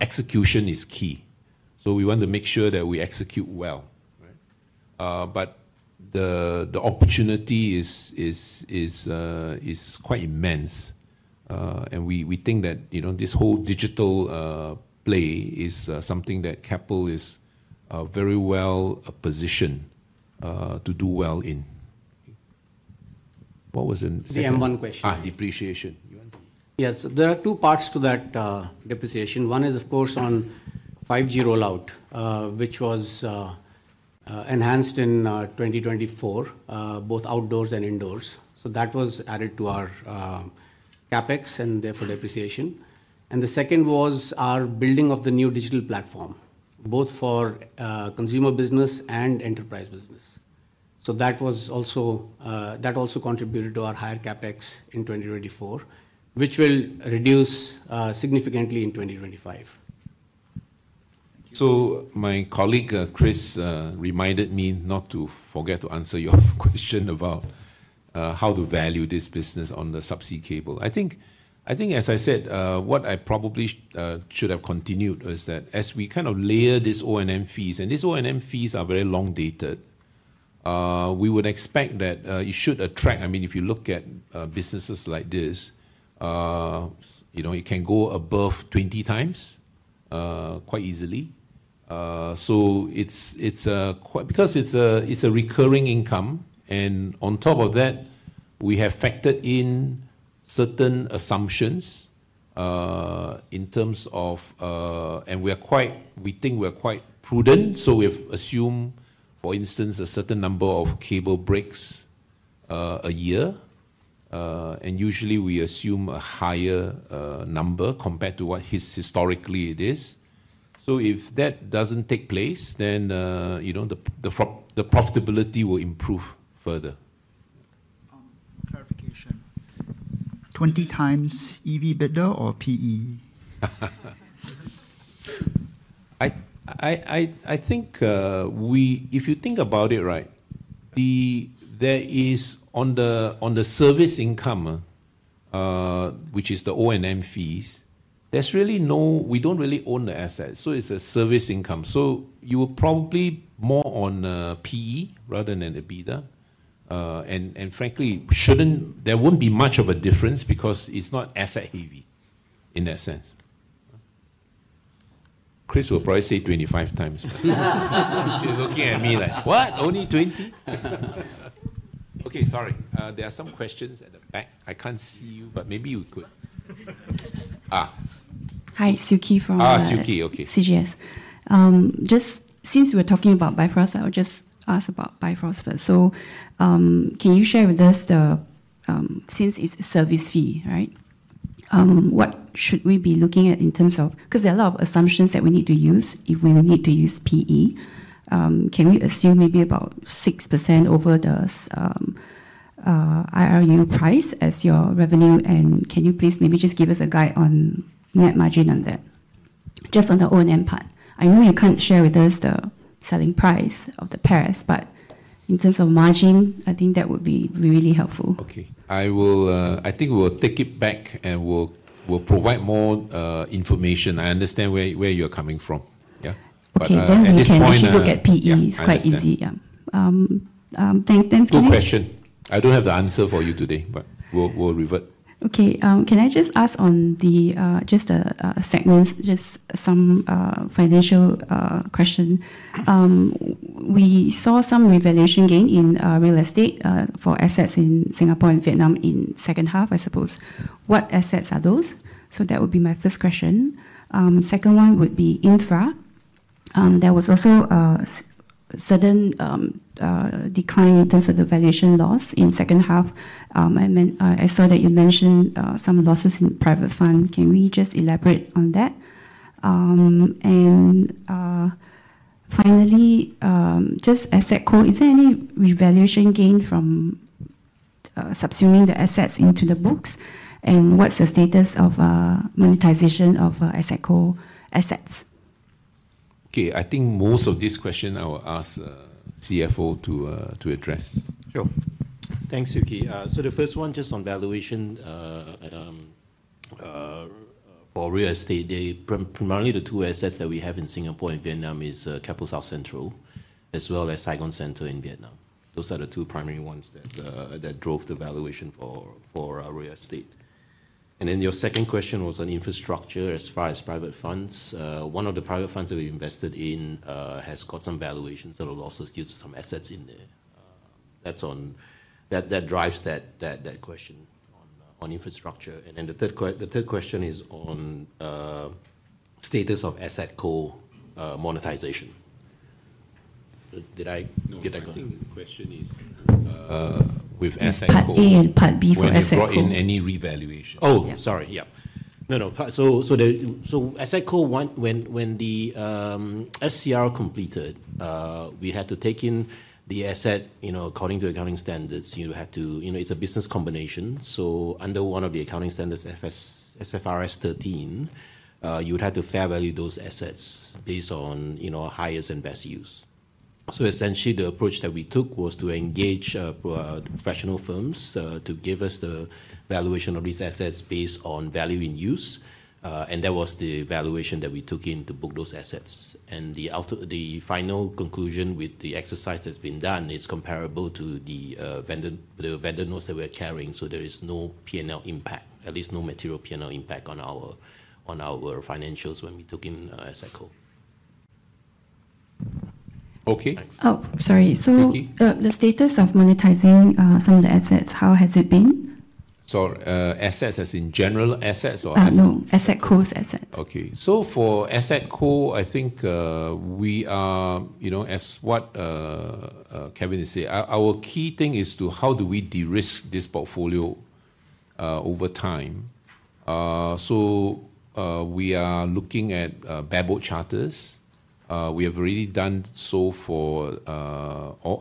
execution is key. So we want to make sure that we execute well. But the opportunity is quite immense. And we think that, you know, this whole digital play is something that Keppel is very well positioned to do well in. What was the M1 question? Depreciation. Yes. There are two parts to that depreciation. One is, of course, on 5G rollout, which was enhanced in 2024, both outdoors and indoors. So that was added to our CapEx and therefore depreciation. And the second was our building of the new digital platform, both for consumer business and enterprise business. So that also contributed to our higher CapEx in 2024, which will reduce significantly in 2025. So my colleague Chris reminded me not to forget to answer your question about how to value this business on the subsea cable. I think, as I said, what I probably should have continued is that as we kind of layer these O&M fees, and these O&M fees are very long-dated, we would expect that it should attract, I mean, if you look at businesses like this, you know, it can go above 20 times quite easily. So it's quite, because it's a recurring income. And on top of that, we have factored in certain assumptions in terms of, and we are quite, we think we are quite prudent. So we have assumed, for instance, a certain number of cable breaks a year. And usually, we assume a higher number compared to what historically it is. So if that doesn't take place, then, you know, the profitability will improve further. Clarification. 20 times EVB or PE? I think if you think about it right, there is on the service income, which is the O&M fees, there's really no, we don't really own the assets. So it's a service income. So you will probably more on PE rather than EBITDA. And frankly, there won't be much of a difference because it's not asset heavy in that sense. Chris will probably say 25 times. You're looking at me like, what? Only 20? Okay, sorry. There are some questions at the back. I can't see you, but maybe you could. Hi, Suki from CGS. Just since we're talking about Bifrost, I'll just ask about Bifrost first. So can you share with us the, since it's a service fee, right? What should we be looking at in terms of, because there are a lot of assumptions that we need to use if we need to use PE? Can we assume maybe about 6% over the IRU price as your revenue? And can you please maybe just give us a guide on net margin on that? Just on the O&M part. I know you can't share with us the selling price of the pairs, but in terms of margin, I think that would be really helpful. Okay. I think we will take it back and we'll provide more information. I understand where you're coming from. Yeah. Okay, then we can just look at PE. It's quite easy. Yeah. Thanks. No question. I don't have the answer for you today, but we'll revert. Okay. Can I just ask on just the segments, just some financial question? We saw some revaluation gain in real estate for assets in Singapore and Vietnam in the second half, I suppose. What assets are those? So that would be my first question. Second one would be Infra. There was also a sudden decline in terms of the valuation loss in the second half. I saw that you mentioned some losses in private fund. Can we just elaborate on that? And finally, just AssetCo, is there any revaluation gain from subsuming the assets into the books? And what's the status of monetization of AssetCo assets? Okay. I think most of these questions I will ask CFO to address. Sure. Thanks, Suki. So the first one, just on valuation for real estate, primarily the two assets that we have in Singapore and Vietnam is Keppel South Central, as well as Saigon Centre in Vietnam. Those are the two primary ones that drove the valuation for real estate. And then your second question was on infrastructure as far as private funds One of the private funds that we invested in has got some valuation sort of losses due to some assets in there. That drives that question on infrastructure, and then the third question is on status of AssetCo monetization. Did I get that correctly? The question is with AssetCo. Part A and Part B for AssetCo. Have you brought in any revaluation? Oh, sorry. Yeah. No, no. So AssetCo, when the SCR completed, we had to take in the asset, you know, according to accounting standards, you had to, you know, it's a business combination. So under one of the accounting standards, SFRS 13, you would have to fair value those assets based on, you know, highest and best use. So essentially, the approach that we took was to engage professional firms to give us the valuation of these assets based on value in use. That was the valuation that we took in to book those assets. The final conclusion with the exercise that's been done is comparable to the vendor notes that we're carrying. There is no P&L impact, at least no material P&L impact on our financials when we took in AssetCo. Okay. Oh, sorry. The status of monetizing some of the assets, how has it been? Sorry. Assets as in general assets or AssetCo? No, AssetCo assets. Okay. For AssetCo, I think we are, you know, as what Kevin is saying, our key thing is to how do we de-risk this portfolio over time. We are looking at bareboat charters. We have already done so for,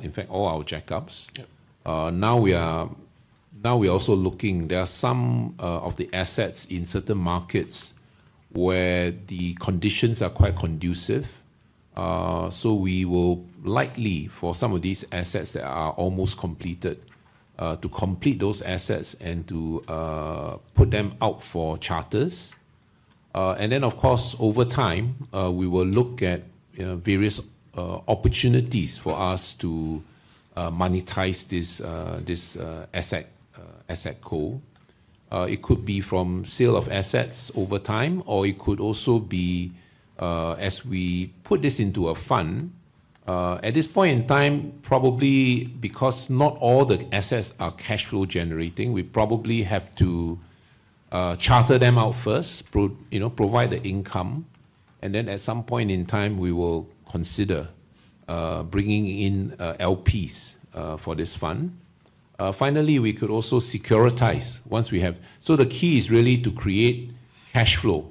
in fact, all our jack-ups. Now we are also looking, there are some of the assets in certain markets where the conditions are quite conducive. So, we will likely, for some of these assets that are almost completed, to complete those assets and to put them out for charters. And then, of course, over time, we will look at various opportunities for us to monetize this asset core. It could be from sale of assets over time, or it could also be as we put this into a fund. At this point in time, probably because not all the assets are cash flow generating, we probably have to charter them out first, provide the income. And then at some point in time, we will consider bringing in LPs for this fund. Finally, we could also securitize once we have. So the key is really to create cash flow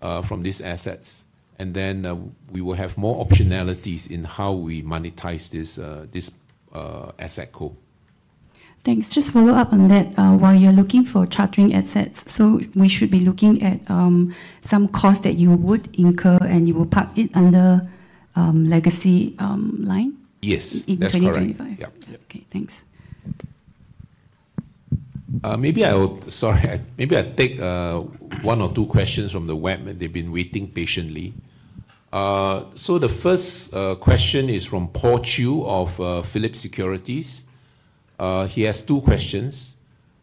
from these assets. And then we will have more optionalities in how we monetize this asset core. Thanks. Just follow up on that. While you're looking for chartering assets, so we should be looking at some cost that you would incur and you will park it under legacy line? Yes. In 2025? Yeah. Okay. Thanks. Maybe I'll take one or two questions from the web. They've been waiting patiently. So the first question is from Paul Chew of Phillip Securities. He has two questions.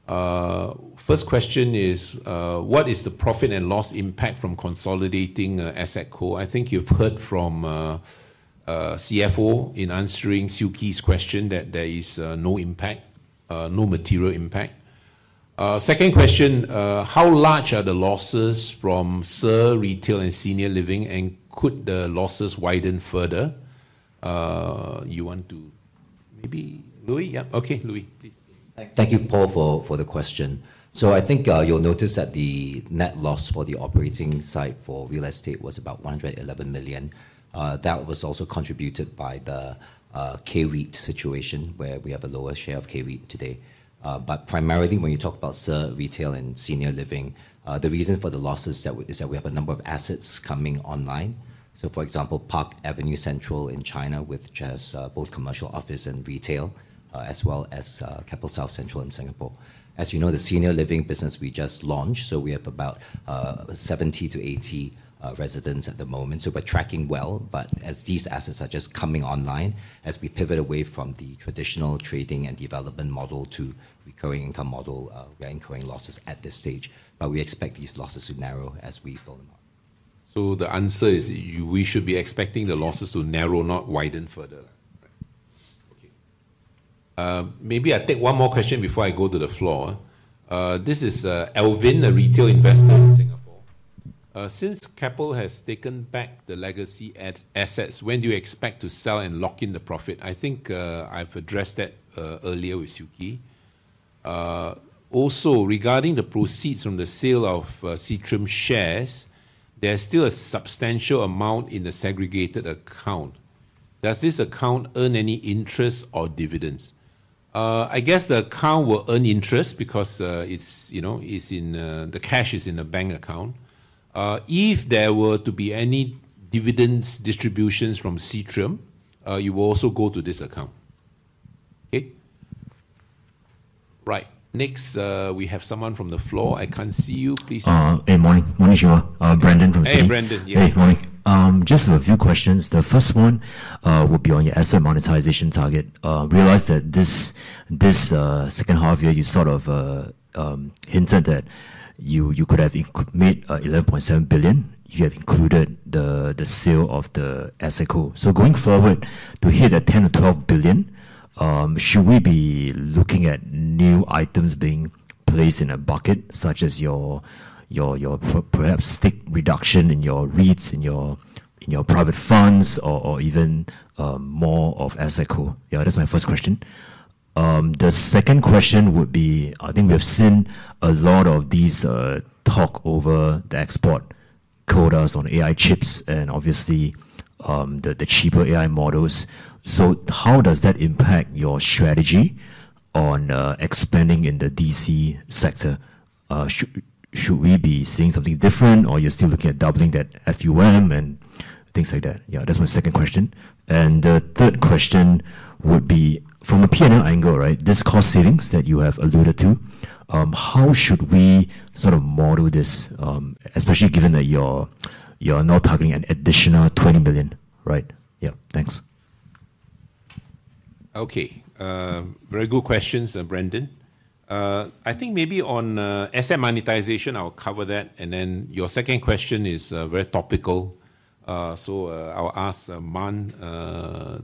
First question is, what is the profit and loss impact from consolidating Asset Co? I think you've heard from CFO in answering Suki's question that there is no impact, no material impact. Second question, how large are the losses from our retail and senior living and could the losses widen further? You want to maybe Louis, yeah? Okay, Louis, please. Thank you, Paul, for the question. So I think you'll notice that the net loss for the operating side for real estate was about 111 million. That was also contributed by the O&M situation where we have a lower share of O&M today. But primarily, when you talk about our retail and senior living, the reason for the losses is that we have a number of assets coming online. So for example, Park Avenue Central in China which has both commercial office and retail, as well as Keppel South Central in Singapore. As you know, the senior living business we just launched, so we have about 70-80 residents at the moment. So we're tracking well. But as these assets are just coming online, as we pivot away from the traditional trading and development model to recurring income model, we're incurring losses at this stage. But we expect these losses to narrow as we fill them up. So the answer is we should be expecting the losses to narrow, not widen further. Maybe I take one more question before I go to the floor. This is Elvin, a retail investor in Singapore. Since Keppel has taken back the legacy assets, when do you expect to sell and lock in the profit? I think I've addressed that earlier with Suki. Also, regarding the proceeds from the sale of Seatrium shares, there's still a substantial amount in the segregated account. Does this account earn any interest or dividends? I guess the account will earn interest because it's in the cash, it's in the bank account. If there were to be any dividends distributions from Seatrium, it will also go to this account. Okay. Right. Next, we have someone from the floor. I can't see you. Please. Hey, morning. Morning, Shiva. Brandon from Citi. Hey, Brandon. Yes. Hey, morning. Just have a few questions. The first one will be on your asset monetization target. Realize that this second half year, you sort of hinted that you could have made 11.7 billion if you have included the sale of the AssetCo. So going forward, to hit that 10-12 billion, should we be looking at new items being placed in a bucket, such as your perhaps stake reduction in your REITs, in your private funds, or even more of AssetCo? Yeah, that's my first question. The second question would be, I think we have seen a lot of this talk about the export quotas on AI chips and obviously the cheaper AI models. So how does that impact your strategy on expanding in the DC sector? Should we be seeing something different or you're still looking at doubling that FUM and things like that? Yeah, that's my second question. And the third question would be, from a P&L angle, right, this cost savings that you have alluded to, how should we sort of model this, especially given that you're now targeting an additional 20 million, right? Yeah. Thanks. Okay. Very good questions, Brandon. I think maybe on asset monetization, I'll cover that. And then your second question is very topical. So I'll ask Man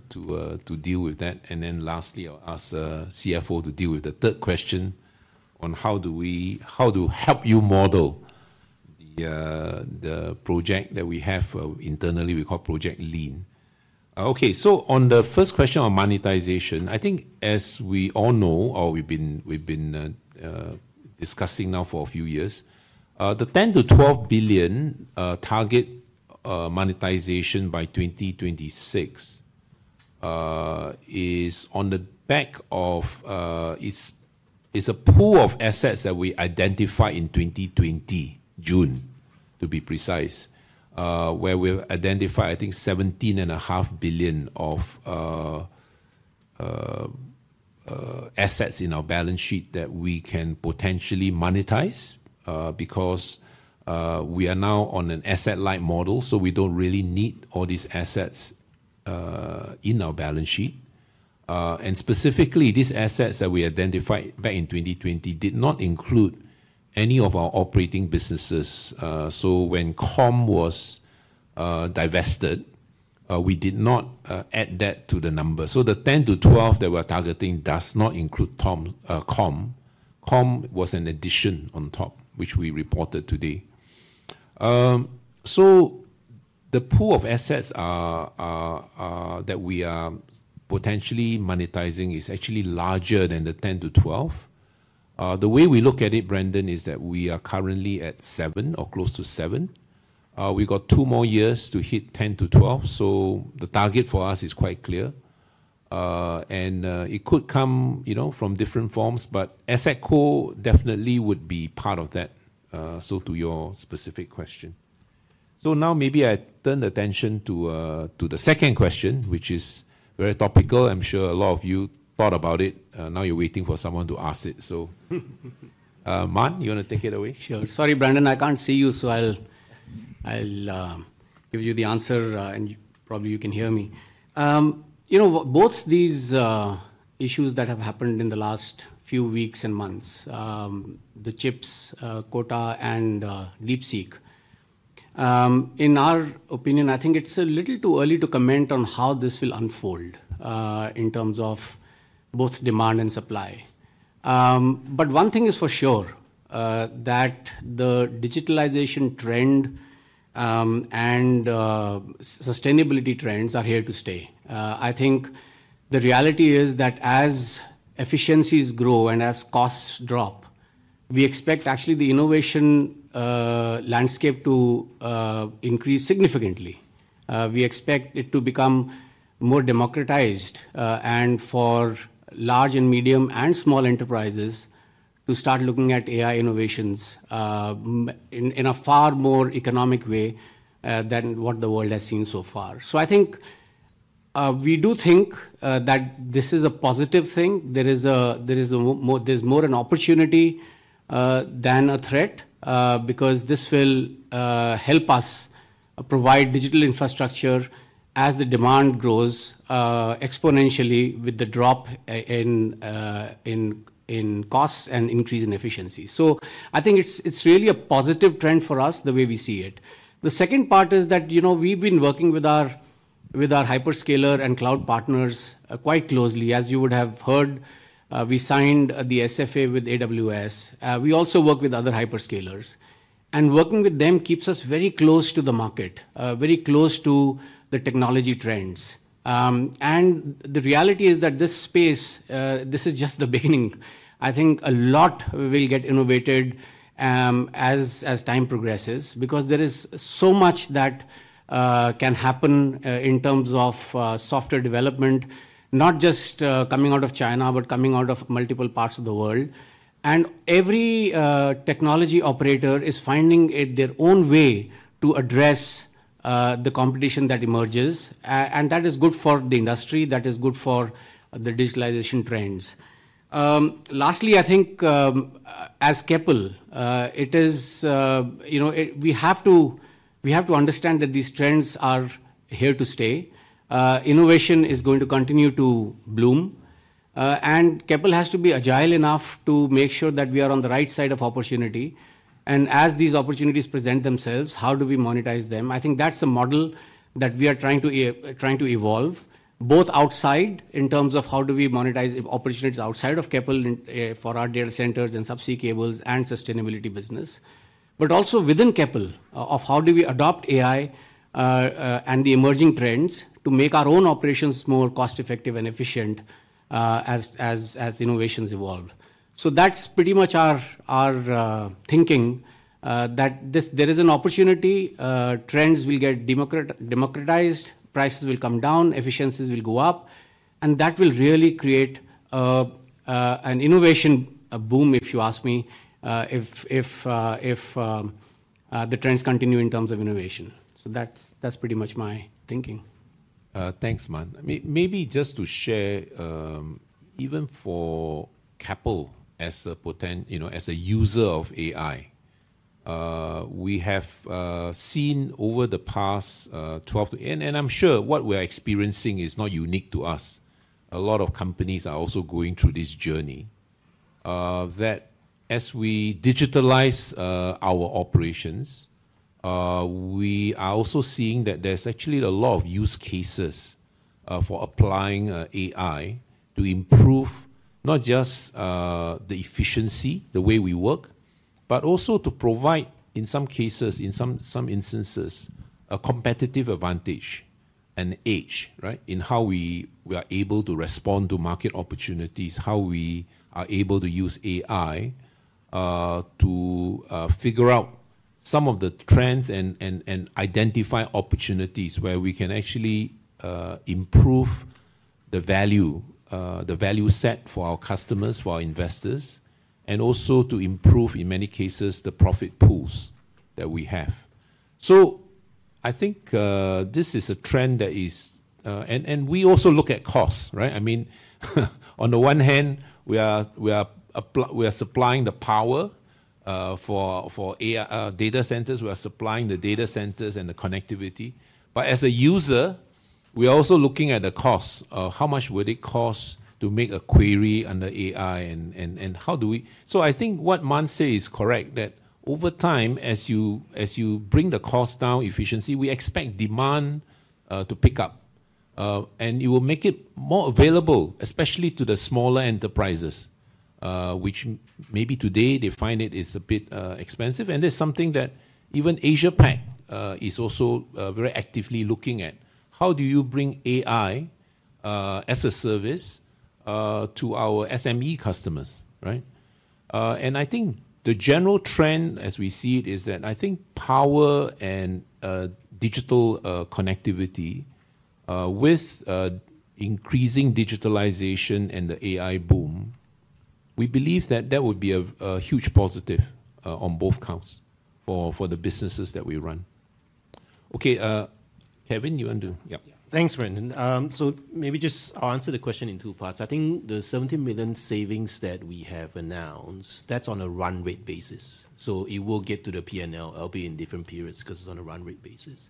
to deal with that. And then lastly, I'll ask CFO to deal with the third question on how do we help you model the project that we have internally, we call Project Lean. Okay. On the first question on monetization, I think as we all know, or we've been discussing now for a few years, the 10-12 billion target monetization by 2026 is on the back of, it's a pool of assets that we identified in June 2020, to be precise, where we've identified, I think, 17.5 billion of assets in our balance sheet that we can potentially monetize because we are now on an asset-light model, so we don't really need all these assets in our balance sheet. And specifically, these assets that we identified back in 2020 did not include any of our operating businesses. So when O&M was divested, we did not add that to the number. So the 10-12 billion that we're targeting does not include O&M. O&M was an addition on top, which we reported today. The pool of assets that we are potentially monetizing is actually larger than the 10-12. The way we look at it, Brandon, is that we are currently at seven or close to seven. We got two more years to hit 10-12. So the target for us is quite clear. And it could come from different forms, but Asset Co definitely would be part of that. So to your specific question. So now maybe I turn the attention to the second question, which is very topical. I'm sure a lot of you thought about it. Now you're waiting for someone to ask it. So Man, you want to take it away? Sure. Sorry, Brandon, I can't see you, so I'll give you the answer and probably you can hear me. You know, both these issues that have happened in the last few weeks and months, the chips, quotas, and DeepSeek, in our opinion, I think it's a little too early to comment on how this will unfold in terms of both demand and supply. But one thing is for sure that the digitalization trend and sustainability trends are here to stay. I think the reality is that as efficiencies grow and as costs drop, we expect actually the innovation landscape to increase significantly. We expect it to become more democratized and for large and medium and small enterprises to start looking at AI innovations in a far more economic way than what the world has seen so far. So I think we do think that this is a positive thing. There is more of an opportunity than a threat because this will help us provide digital infrastructure as the demand grows exponentially with the drop in costs and increase in efficiency. So I think it's really a positive trend for us the way we see it. The second part is that, you know, we've been working with our hyperscaler and cloud partners quite closely. As you would have heard, we signed the SFA with AWS. We also work with other hyperscalers. And working with them keeps us very close to the market, very close to the technology trends. And the reality is that this space, this is just the beginning. I think a lot will get innovated as time progresses because there is so much that can happen in terms of software development, not just coming out of China, but coming out of multiple parts of the world. And every technology operator is finding their own way to address the competition that emerges. And that is good for the industry. That is good for the digitalization trends. Lastly, I think as Keppel, it is, you know, we have to understand that these trends are here to stay. Innovation is going to continue to bloom. And Keppel has to be agile enough to make sure that we are on the right side of opportunity. And as these opportunities present themselves, how do we monetize them? I think that's a model that we are trying to evolve, both outside in terms of how do we monetize opportunities outside of Keppel for our data centers and subsea cables and sustainability business, but also within Keppel, of how do we adopt AI and the emerging trends to make our own operations more cost-effective and efficient as innovations evolve. So that's pretty much our thinking that there is an opportunity. Trends will get democratized, prices will come down, efficiencies will go up, and that will really create an innovation boom, if you ask me, if the trends continue in terms of innovation. So that's pretty much my thinking. Thanks, Man. Maybe just to share, even for Keppel as a user of AI, we have seen over the past 12 to, and I'm sure what we are experiencing is not unique to us. A lot of companies are also going through this journey. That as we digitalize our operations, we are also seeing that there's actually a lot of use cases for applying AI to improve not just the efficiency, the way we work, but also to provide, in some cases, in some instances, a competitive advantage and edge, right, in how we are able to respond to market opportunities, how we are able to use AI to figure out some of the trends and identify opportunities where we can actually improve the value set for our customers, for our investors, and also to improve, in many cases, the profit pools that we have. So I think this is a trend that is, and we also look at costs, right? I mean, on the one hand, we are supplying the power for data centers. We are supplying the data centers and the connectivity. As a user, we are also looking at the cost. How much would it cost to make a query under AI and how do we, so I think what Man said is correct, that over time, as you bring the cost down, efficiency, we expect demand to pick up. And it will make it more available, especially to the smaller enterprises, which maybe today they find it is a bit expensive. And there's something that even Asia Pac is also very actively looking at. How do you bring AI as a service to our SME customers, right? And I think the general trend, as we see it, is that I think power and digital connectivity with increasing digitalization and the AI boom, we believe that that would be a huge positive on both counts for the businesses that we run. Okay. Kevin, you want to, yeah. Thanks, Brandon. So, maybe just I'll answer the question in two parts. I think the 17 million savings that we have announced, that's on a run rate basis. So it will get to the P&L, albeit in different periods because it's on a run rate basis.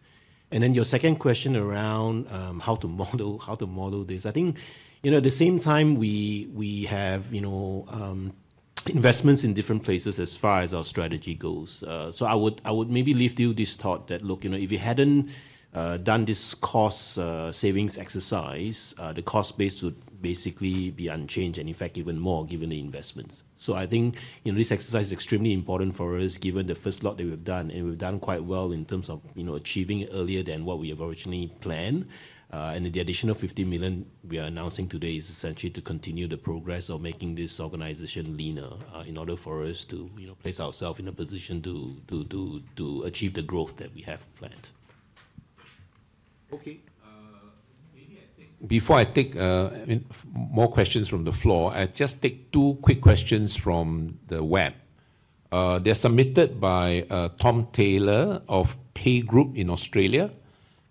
And then your second question around how to model this, I think, you know, at the same time, we have investments in different places as far as our strategy goes. So I would maybe leave to you this thought that, look, you know, if you hadn't done this cost savings exercise, the cost base would basically be unchanged and, in fact, even more given the investments. So I think, you know, this exercise is extremely important for us given the first lot that we've done, and we've done quite well in terms of achieving it earlier than what we have originally planned. And the additional 15 million we are announcing today is essentially to continue the progress of making this organization leaner in order for us to place ourselves in a position to achieve the growth that we have planned. Okay. Before I take more questions from the floor, I just take two quick questions from the web. They're submitted by Tom Taylor of Petra Capital in Australia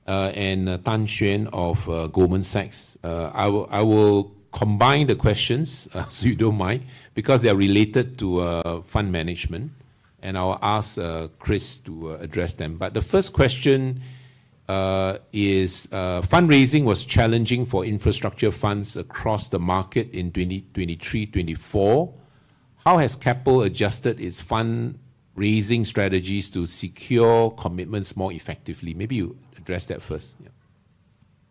and Xuan Tan of Goldman Sachs. I will combine the questions so you don't mind because they are related to fund management. And I'll ask Chris to address them. But the first question is, fundraising was challenging for infrastructure funds across the market in 2023-2024. How has Keppel adjusted its fundraising strategies to secure commitments more effectively? Maybe you address that first.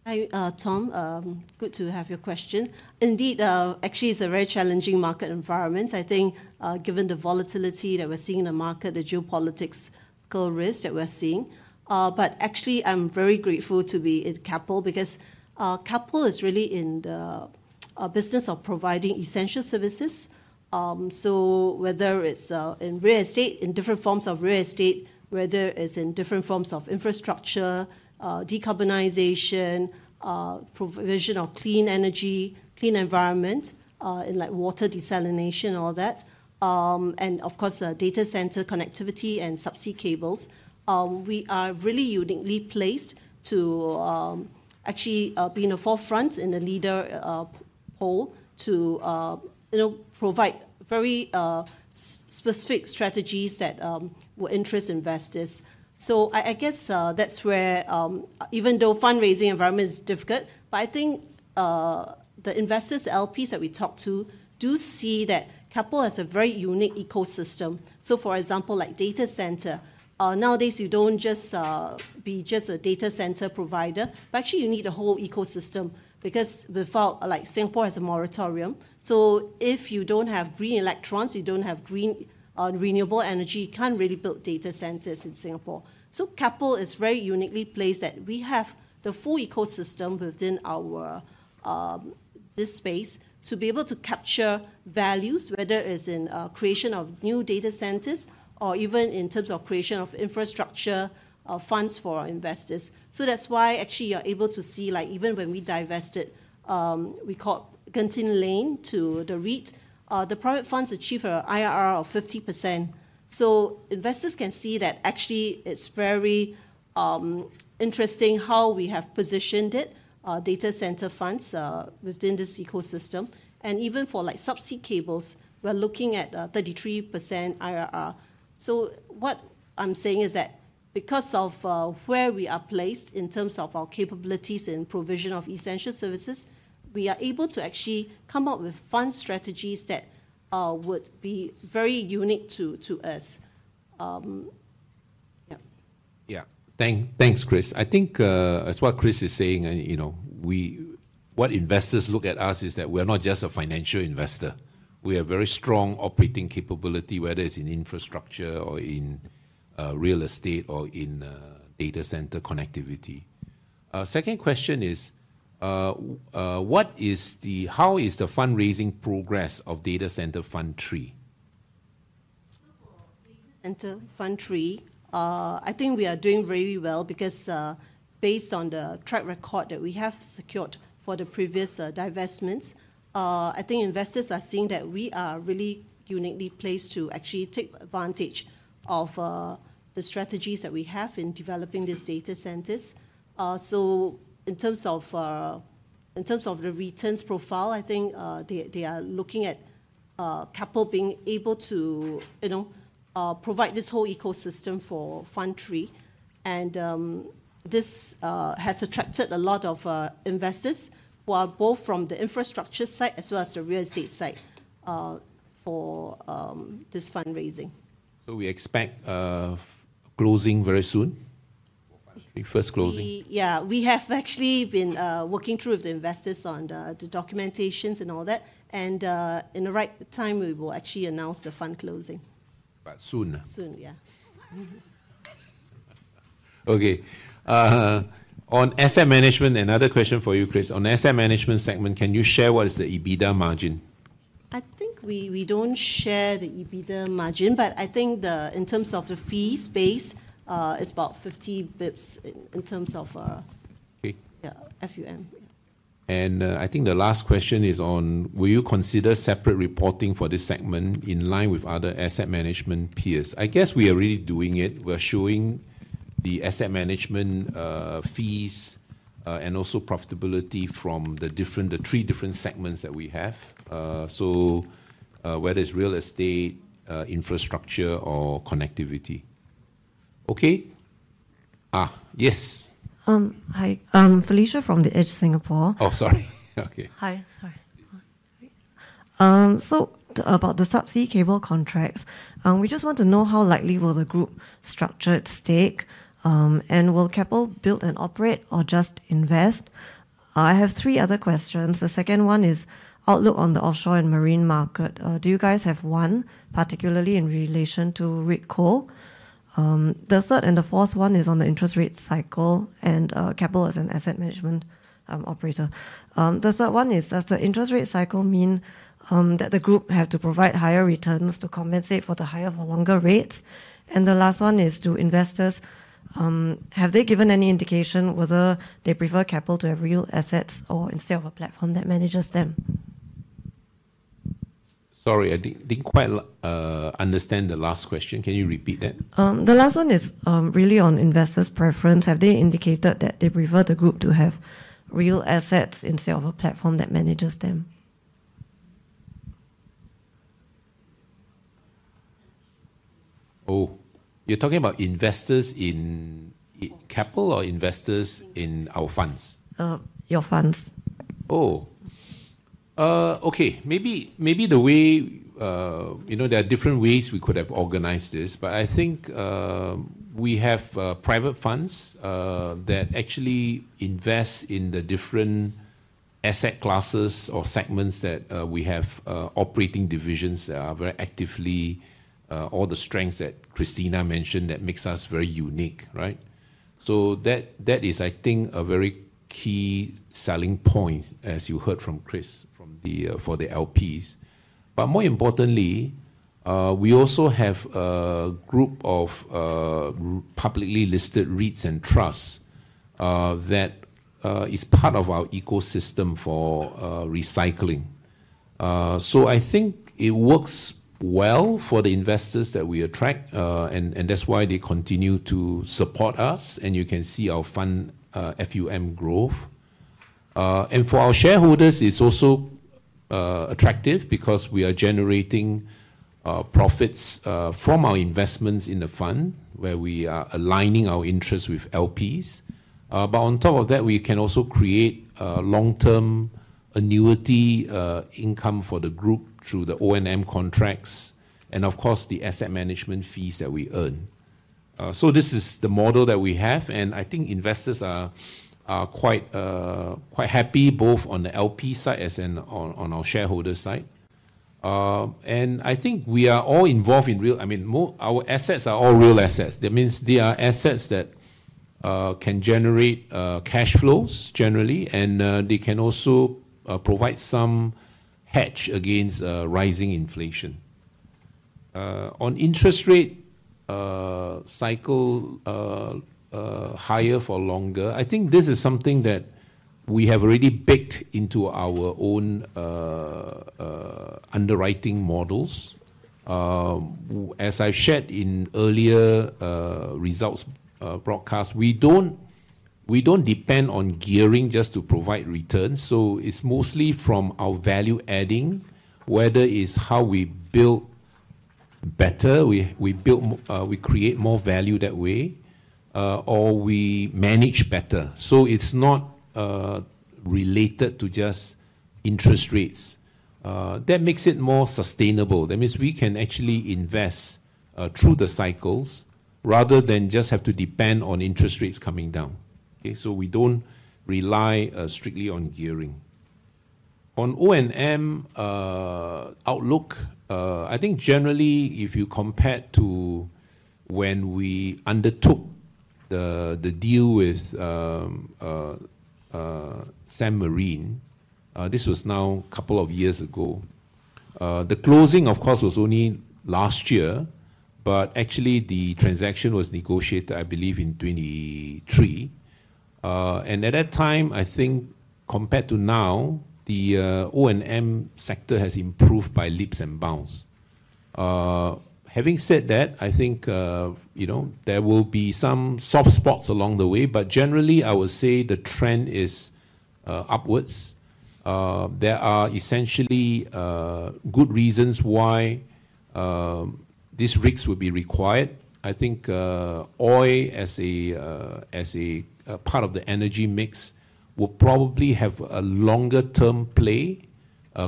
Hi, Tom. Good to have your question. Indeed, actually, it's a very challenging market environment, I think, given the volatility that we're seeing in the market, the geopolitical risk that we're seeing. But actually, I'm very grateful to be at Keppel because Keppel is really in the business of providing essential services. So whether it's in real estate, in different forms of real estate, whether it's in different forms of infrastructure, decarbonization, provision of clean energy, clean environment, like water desalination, all that, and of course, data center connectivity and subsea cables, we are really uniquely placed to actually be in the forefront in the leadership role to provide very specific strategies that will interest investors. So I guess that's where, even though fundraising environment is difficult, but I think the investors, the LPs that we talk to, do see that Keppel has a very unique ecosystem. So, for example, like data center, nowadays, you don't just be just a data center provider, but actually, you need a whole ecosystem because without, like Singapore has a moratorium. So if you don't have green electrons, you can't really build data centers in Singapore. So Keppel is very uniquely placed that we have the full ecosystem within this space to be able to capture values, whether it's in creation of new data centers or even in terms of creation of infrastructure funds for our investors. So that's why actually you're able to see, like even when we divested, we sold Genting Lane to the REIT, the private funds achieved an IRR of 50%. So investors can see that actually it's very interesting how we have positioned data center funds within this ecosystem. Even for subsea cables, we're looking at 33% IRR. So what I'm saying is that because of where we are placed in terms of our capabilities and provision of essential services, we are able to actually come up with fund strategies that would be very unique to us. Yeah. Yeah. Thanks, Chris. I think as what Chris is saying, you know, what investors look at us is that we are not just a financial investor. We have very strong operating capability, whether it's in infrastructure or in real estate or in data center connectivity. Second question is, how is the fundraising progress of Data Center Fund III? For data center Fund III, I think we are doing very well because based on the track record that we have secured for the previous divestments, I think investors are seeing that we are really uniquely placed to actually take advantage of the strategies that we have in developing these data centers. In terms of the returns profile, I think they are looking at Keppel being able to provide this whole ecosystem for Fund III. And this has attracted a lot of investors who are both from the infrastructure side as well as the real estate side for this fundraising. We expect closing very soon. First closing. Yeah, we have actually been working through with the investors on the documentation and all that. And in the right time, we will actually announce the fund closing. But soon. Soon, yeah. Okay. On asset management, another question for you, Chris. On asset management segment, can you share what is the EBITDA margin? I think we don't share the EBITDA margin, but I think in terms of the fee space, it's about 50 basis points in terms of FUM. And I think the last question is on, will you consider separate reporting for this segment in line with other asset management peers? I guess we are really doing it. We're showing the asset management fees and also profitability from the three different segments that we have. So whether it's real estate, infrastructure, or connectivity. Okay. Yes. Hi, Felicia Tan from The Edge Singapore. Oh, sorry. Okay. Hi, sorry. So about the subsea cable contracts, we just want to know how likely will the group structured stake? And will Keppel build and operate or just invest? I have three other questions. The second one is outlook on the offshore and marine market. Do you guys have one, particularly in relation to Rigco? The third and the fourth one is on the interest rate cycle and Keppel as an asset management operator. The third one is, does the interest rate cycle mean that the group have to provide higher returns to compensate for the higher for longer rates? And the last one is to investors, have they given any indication whether they prefer Keppel to have real assets or instead of a platform that manages them? Sorry, I didn't quite understand the last question. Can you repeat that? The last one is really on investors' preference. Have they indicated that they prefer the group to have real assets instead of a platform that manages them? Oh, you're talking about investors in Keppel or investors in our funds? Your funds. Oh. Okay. Maybe the way, you know, there are different ways we could have organized this, but I think we have private funds that actually invest in the different asset classes or segments that we have operating divisions that are very actively, all the strengths that Christina mentioned that makes us very unique, right? So that is, I think, a very key selling point, as you heard from Chris, from the LPs. But more importantly, we also have a group of publicly listed REITs and trusts that is part of our ecosystem for recycling. So I think it works well for the investors that we attract, and that's why they continue to support us. And you can see our fund FUM growth. And for our shareholders, it's also attractive because we are generating profits from our investments in the fund where we are aligning our interests with LPs. But on top of that, we can also create long-term annuity income for the group through the O&M contracts and, of course, the asset management fees that we earn. So this is the model that we have. And I think investors are quite happy both on the LP side as on our shareholder side. And I think we are all involved in real, I mean, our assets are all real assets. That means they are assets that can generate cash flows generally, and they can also provide some hedge against rising inflation. On interest rate cycle higher for longer, I think this is something that we have already baked into our own underwriting models. As I've shared in earlier results broadcast, we don't depend on gearing just to provide returns. So it's mostly from our value adding, whether it's how we build better, we create more value that way, or we manage better. So it's not related to just interest rates. That makes it more sustainable. That means we can actually invest through the cycles rather than just have to depend on interest rates coming down. Okay. So we don't rely strictly on gearing. On O&M outlook, I think generally, if you compare to when we undertook the deal with Sembcorp Marine, this was now a couple of years ago. The closing, of course, was only last year, but actually the transaction was negotiated, I believe, in 2023. And at that time, I think compared to now, the O&M sector has improved by leaps and bounds. Having said that, I think there will be some soft spots along the way, but generally, I would say the trend is upwards. There are essentially good reasons why these rigs would be required. I think oil as a part of the energy mix will probably have a longer-term play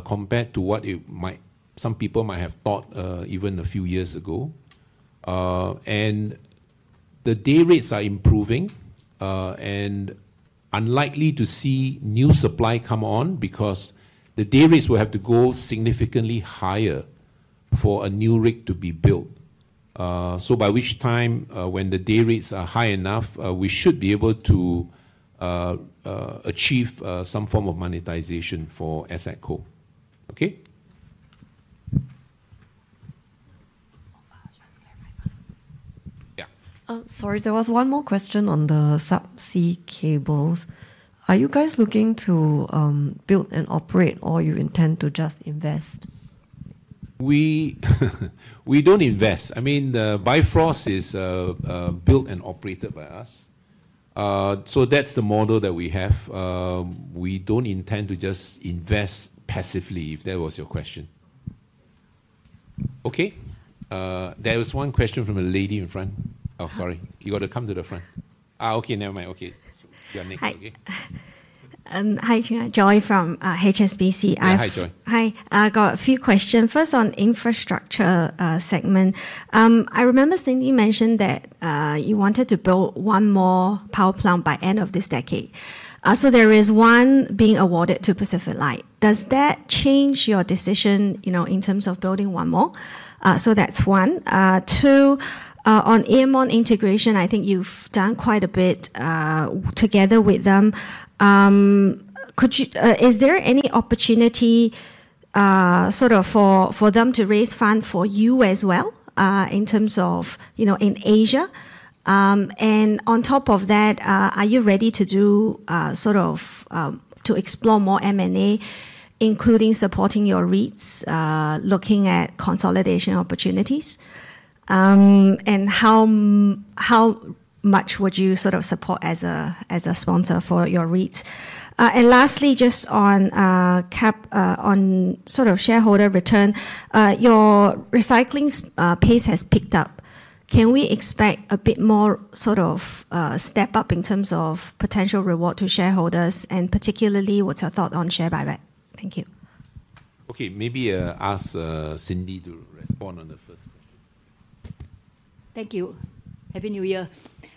compared to what some people might have thought even a few years ago. And the day rates are improving and unlikely to see new supply come on because the day rates will have to go significantly higher for a new rig to be built. So by which time, when the day rates are high enough, we should be able to achieve some form of monetization for AssetCo. Okay. Yeah. Sorry, there was one more question on the subsea cables. Are you guys looking to build and operate, or you intend to just invest? We don't invest. I mean, the Bifrost is built and operated by us. So that's the model that we have. We don't intend to just invest passively if that was your question. Okay. There was one question from a lady in front. Oh, sorry. You got to come to the front. Okay. Never mind. Okay. You're next. Okay. Hi, Joy, from HSBC. Hi, Joy. Hi. I got a few questions. First, on the infrastructure segment, I remember Cindy mentioned that you wanted to build one more power plant by the end of this decade. So there is one being awarded to PacificLight. Does that change your decision in terms of building one more? So that's one. Two, on M1 integration, I think you've done quite a bit together with them. Is there any opportunity sort of for them to raise fund for you as well in terms of in Asia? And on top of that, are you ready to do sort of to explore more M&A, including supporting your REITs, looking at consolidation opportunities? And how much would you sort of support as a sponsor for your REITs? And lastly, just on sort of shareholder return, your recycling pace has picked up. Can we expect a bit more sort of step up in terms of potential reward to shareholders? And particularly, what's your thought on share buyback? Thank you. Okay. Maybe ask Cindy to respond on the first question. Thank you. Happy New Year.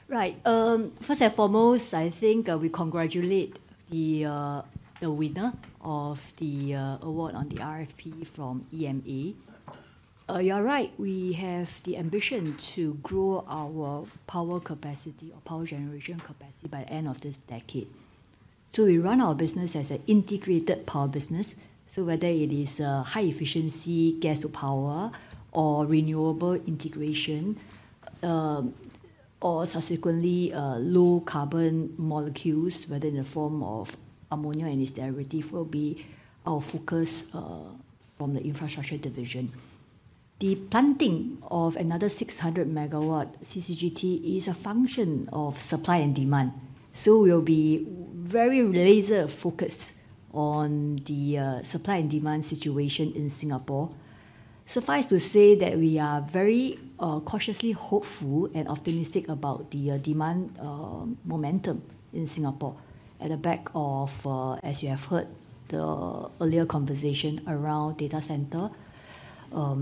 Right. First and foremost, I think we congratulate the winner of the award on the RFP from EMA. You're right. We have the ambition to grow our power capacity or power generation capacity by the end of this decade. So we run our business as an integrated power business. Whether it is high efficiency gas to power or renewable integration or subsequently low carbon molecules, whether in the form of ammonia and its derivatives, will be our focus from the infrastructure division. The planting of another 600 megawatt CCGT is a function of supply and demand. We'll be very laser-focused on the supply and demand situation in Singapore. Suffice to say that we are very cautiously hopeful and optimistic about the demand momentum in Singapore on the back of, as you have heard, the earlier conversation around data center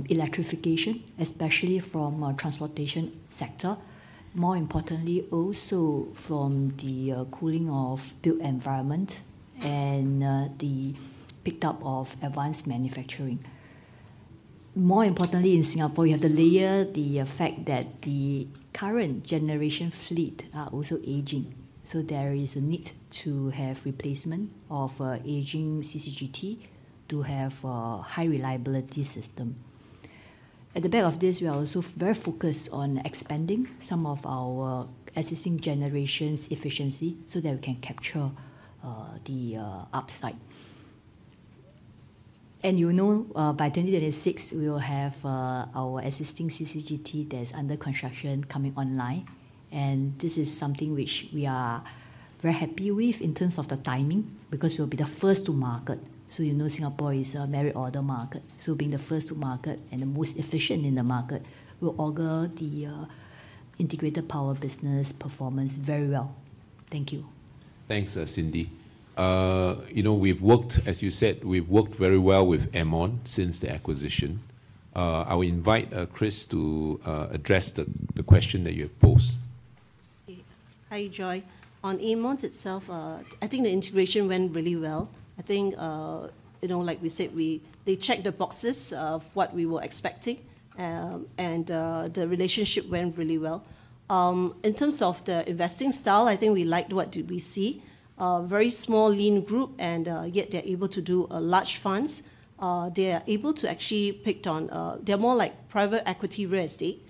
electrification, especially from our transportation sector, more importantly, also from the cooling of built environment and the pickup of advanced manufacturing. More importantly, in Singapore, you have to layer the fact that the current generation fleet are also aging. There is a need to have replacement of aging CCGT to have a high reliability system. At the back of this, we are also very focused on expanding some of our existing generation's efficiency so that we can capture the upside. And you know, by 2026, we will have our existing CCGT that is under construction coming online. And this is something which we are very happy with in terms of the timing because we will be the first to market. So you know Singapore is a merit-order market. So being the first to market and the most efficient in the market will augur the integrated power business performance very well. Thank you. Thanks, Cindy. You know, we've worked, as you said, we've worked very well with EMA since the acquisition. I will invite Chris to address the question that you have posed. Hi, Joy. On EMA itself, I think the integration went really well. I think, you know, like we said, they checked the boxes of what we were expecting, and the relationship went really well. In terms of the investing style, I think we liked what we see. Very small, lean group, and yet they're able to do large funds. They are able to actually pick on, they're more like private equity real estate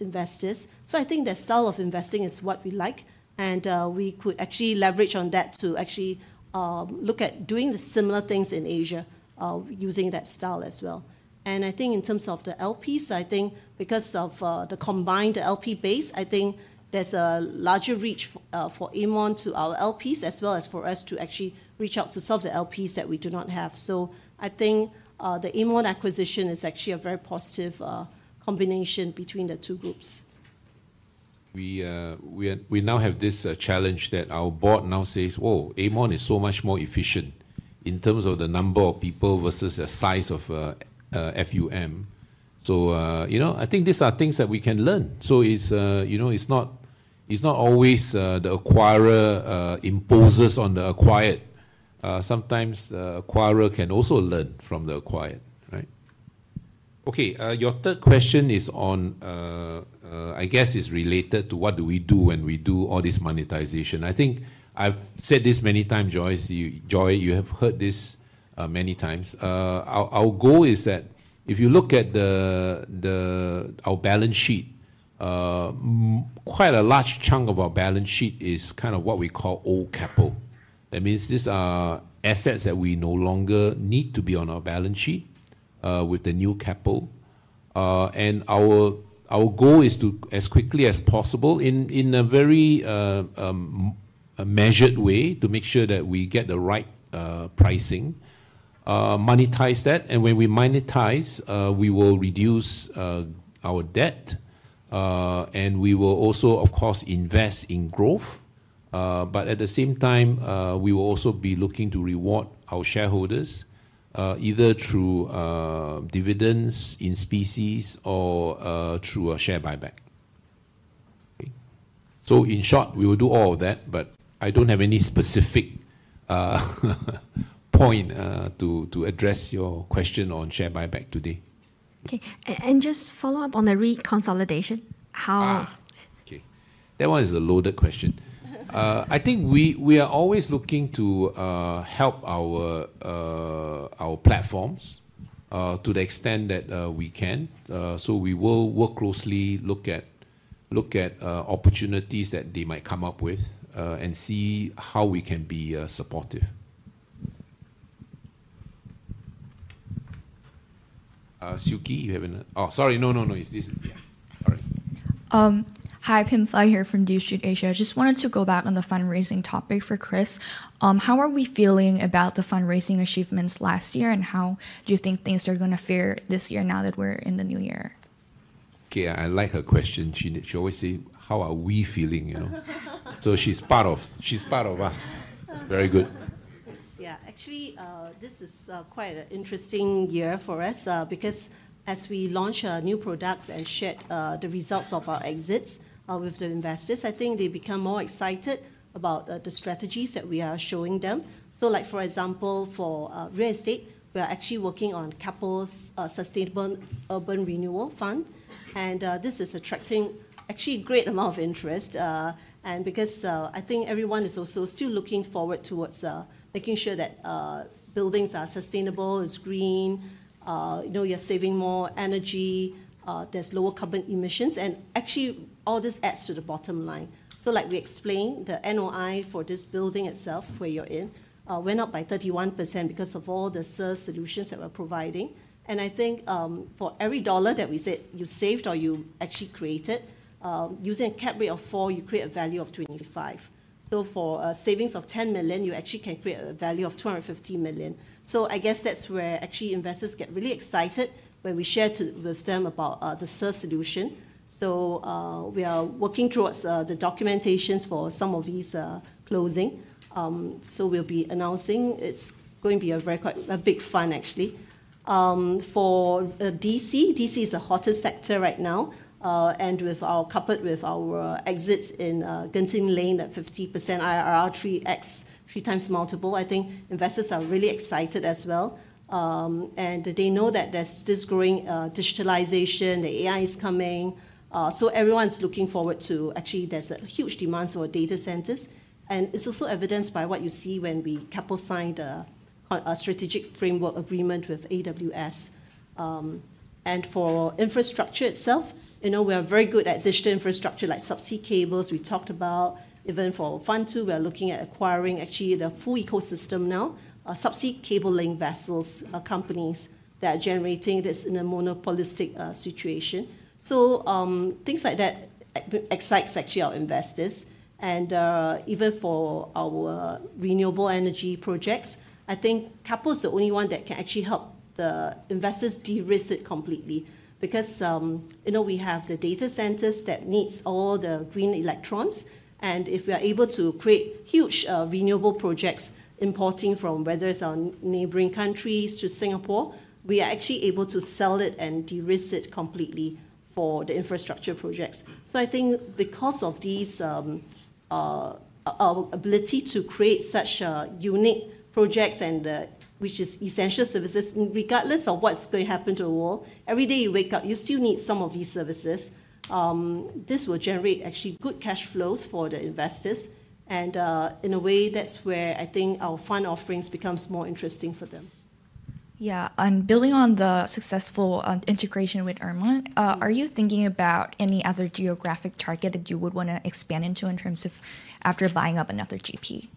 investors. So I think their style of investing is what we like, and we could actually leverage on that to actually look at doing similar things in Asia using that style as well. I think in terms of the LPs, I think because of the combined LP base, I think there's a larger reach for Aermont to our LPs as well as for us to actually reach out to some of the LPs that we do not have. I think the Aermont acquisition is actually a very positive combination between the two groups. We now have this challenge that our board now says, "Whoa, Aermont is so much more efficient in terms of the number of people versus the size of FUM." You know, I think these are things that we can learn. It's not always the acquirer imposes on the acquired. Sometimes the acquirer can also learn from the acquired, right? Okay. Your third question is on, I guess it's related to what do we do when we do all this monetization. I think I've said this many times, Joy. Joy, you have heard this many times. Our goal is that if you look at our balance sheet, quite a large chunk of our balance sheet is kind of what we call old capital. That means these are assets that we no longer need to be on our balance sheet with the new capital. And our goal is to, as quickly as possible, in a very measured way, to make sure that we get the right pricing, monetize that. And when we monetize, we will reduce our debt, and we will also, of course, invest in growth. But at the same time, we will also be looking to reward our shareholders either through dividends in specie or through a share buyback. So in short, we will do all of that, but I don't have any specific point to address your question on share buyback today. Okay. And just follow up on the reconsolidation. How? Okay. That one is a loaded question. I think we are always looking to help our platforms to the extent that we can. So we will work closely, look at opportunities that they might come up with and see how we can be supportive. Suki, you have an sorry no no- Hi, I'm from DealStreetAsia. I just wanted to go back on the fundraising topic for Chris. How are we feeling about the fundraising achievements last year, and how do you think things are going to fare this year now that we're in the new year? Okay. I like her question. She always says, "How are we feeling?" So she's part of us. Very good. Yeah. Actually, this is quite an interesting year for us because as we launch our new products and share the results of our exits with the investors, I think they become more excited about the strategies that we are showing them. Like, for example, for real estate, we are actually working on Keppel's Sustainable Urban Renewal Fund, and this is attracting actually a great amount of interest. Because I think everyone is also still looking forward towards making sure that buildings are sustainable, it's green, you're saving more energy, there's lower carbon emissions, and actually all this adds to the bottom line. Like we explained, the NOI for this building itself wherein went up by 31% because of all the SIRS solutions that we're providing. And I think for every dollar that we said you saved or you actually created, using a cap rate of 4, you create a value of 25. So for savings of 10 million, you actually can create a value of 250 million. So I guess that's where actually investors get really excited when we share with them about the SIRS solution. We are working towards the documentation for some of these closings. We'll be announcing; it's going to be a big fund actually. For DC, DC is a hotter sector right now, and with our exits in Genting Lane at 50% IRR, three times multiple, I think investors are really excited as well. They know that there's this growing digitalization; the AI is coming. Everyone's looking forward to actually; there's a huge demand for data centers. It's also evidenced by what you see when Keppel signed a strategic framework agreement with AWS. For infrastructure itself, we're very good at digital infrastructure like subsea cables we talked about. Even for Fund II, we're looking at acquiring actually the full ecosystem now, subsea cable link vessels companies that are generating this in a monopolistic situation. Things like that excite actually our investors. Even for our renewable energy projects, I think Keppel is the only one that can actually help the investors de-risk it completely because we have the data centers that need all the green electrons. If we are able to create huge renewable projects importing from whether it's our neighboring countries to Singapore, we are actually able to sell it and de-risk it completely for the infrastructure projects. I think because of this ability to create such unique projects and which is essential services, regardless of what's going to happen to the world, every day you wake up, you still need some of these services. This will generate actually good cash flows for the investors. In a way, that's where I think our fund offerings becomes more interesting for them. Yeah. Building on the successful integration with Aermont, are you thinking about any other geographic target that you would want to expand into in terms of after buying up another GP?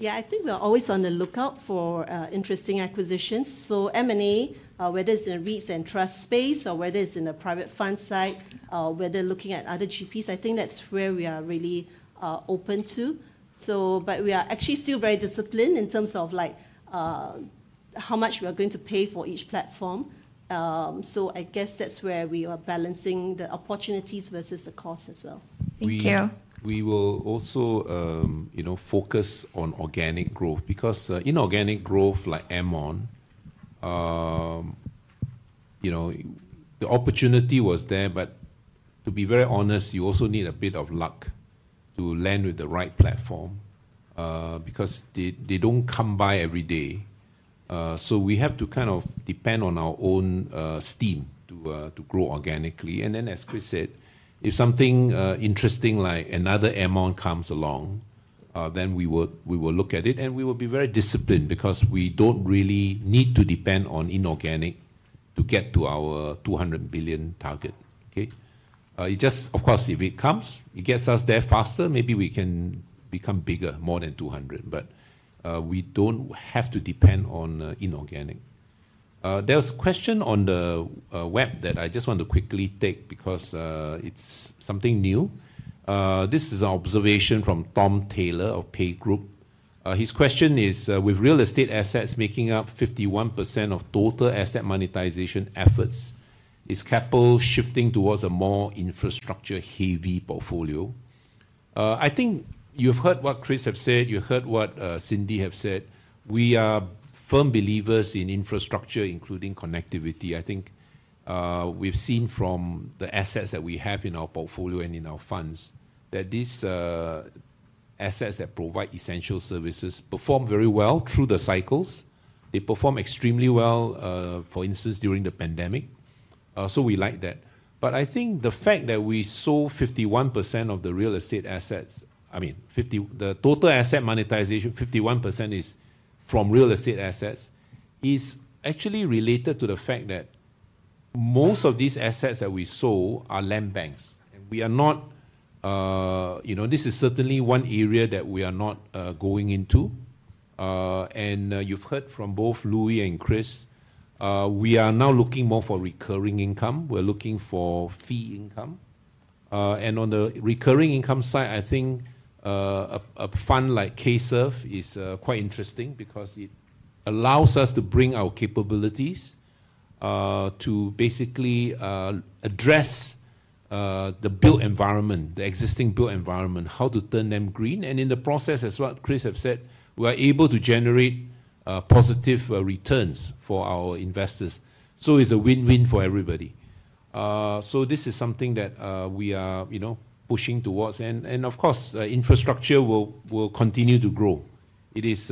Yeah, I think we're always on the lookout for interesting acquisitions. So M&A, whether it's in a REITs and trust space or whether it's in a private fund side, whether looking at other GPs, I think that's where we are really open to. But we are actually still very disciplined in terms of how much we are going to pay for each platform. So I guess that's where we are balancing the opportunities versus the cost as well. Thank you. We will also focus on organic growth because inorganic growth like Aermont, the opportunity was there, but to be very honest, you also need a bit of luck to land with the right platform because they don't come by every day. So we have to kind of depend on our own steam to grow organically. Then, as Chris said, if something interesting like another Aermont comes along, then we will look at it and we will be very disciplined because we don't really need to depend on inorganic to get to our 200 billion target. Okay. It just, of course, if it comes, it gets us there faster, maybe we can become bigger, more than 200, but we don't have to depend on inorganic. There's a question on the web that I just want to quickly take because it's something new. This is an observation from Tom Taylor of Petra Capital. His question is, with real estate assets making up 51% of total asset monetization efforts, is capital shifting towards a more infrastructure-heavy portfolio? I think you've heard what Chris has said, you've heard what Cindy has said. We are firm believers in infrastructure, including connectivity. I think we've seen from the assets that we have in our portfolio and in our funds that these assets that provide essential services perform very well through the cycles. They perform extremely well, for instance, during the pandemic. So we like that. But I think the fact that we sold 51% of the real estate assets, I mean, the total asset monetization, 51% is from real estate assets, is actually related to the fact that most of these assets that we sold are land banks. We are not. This is certainly one area that we are not going into. You've heard from both Louis and Chris. We are now looking more for recurring income. We're looking for fee income. On the recurring income side, I think a fund like KSURF is quite interesting because it allows us to bring our capabilities to basically address the built environment, the existing built environment, how to turn them green. In the process as well, Chris has said, we are able to generate positive returns for our investors. It's a win-win for everybody. This is something that we are pushing towards. Of course, infrastructure will continue to grow. It is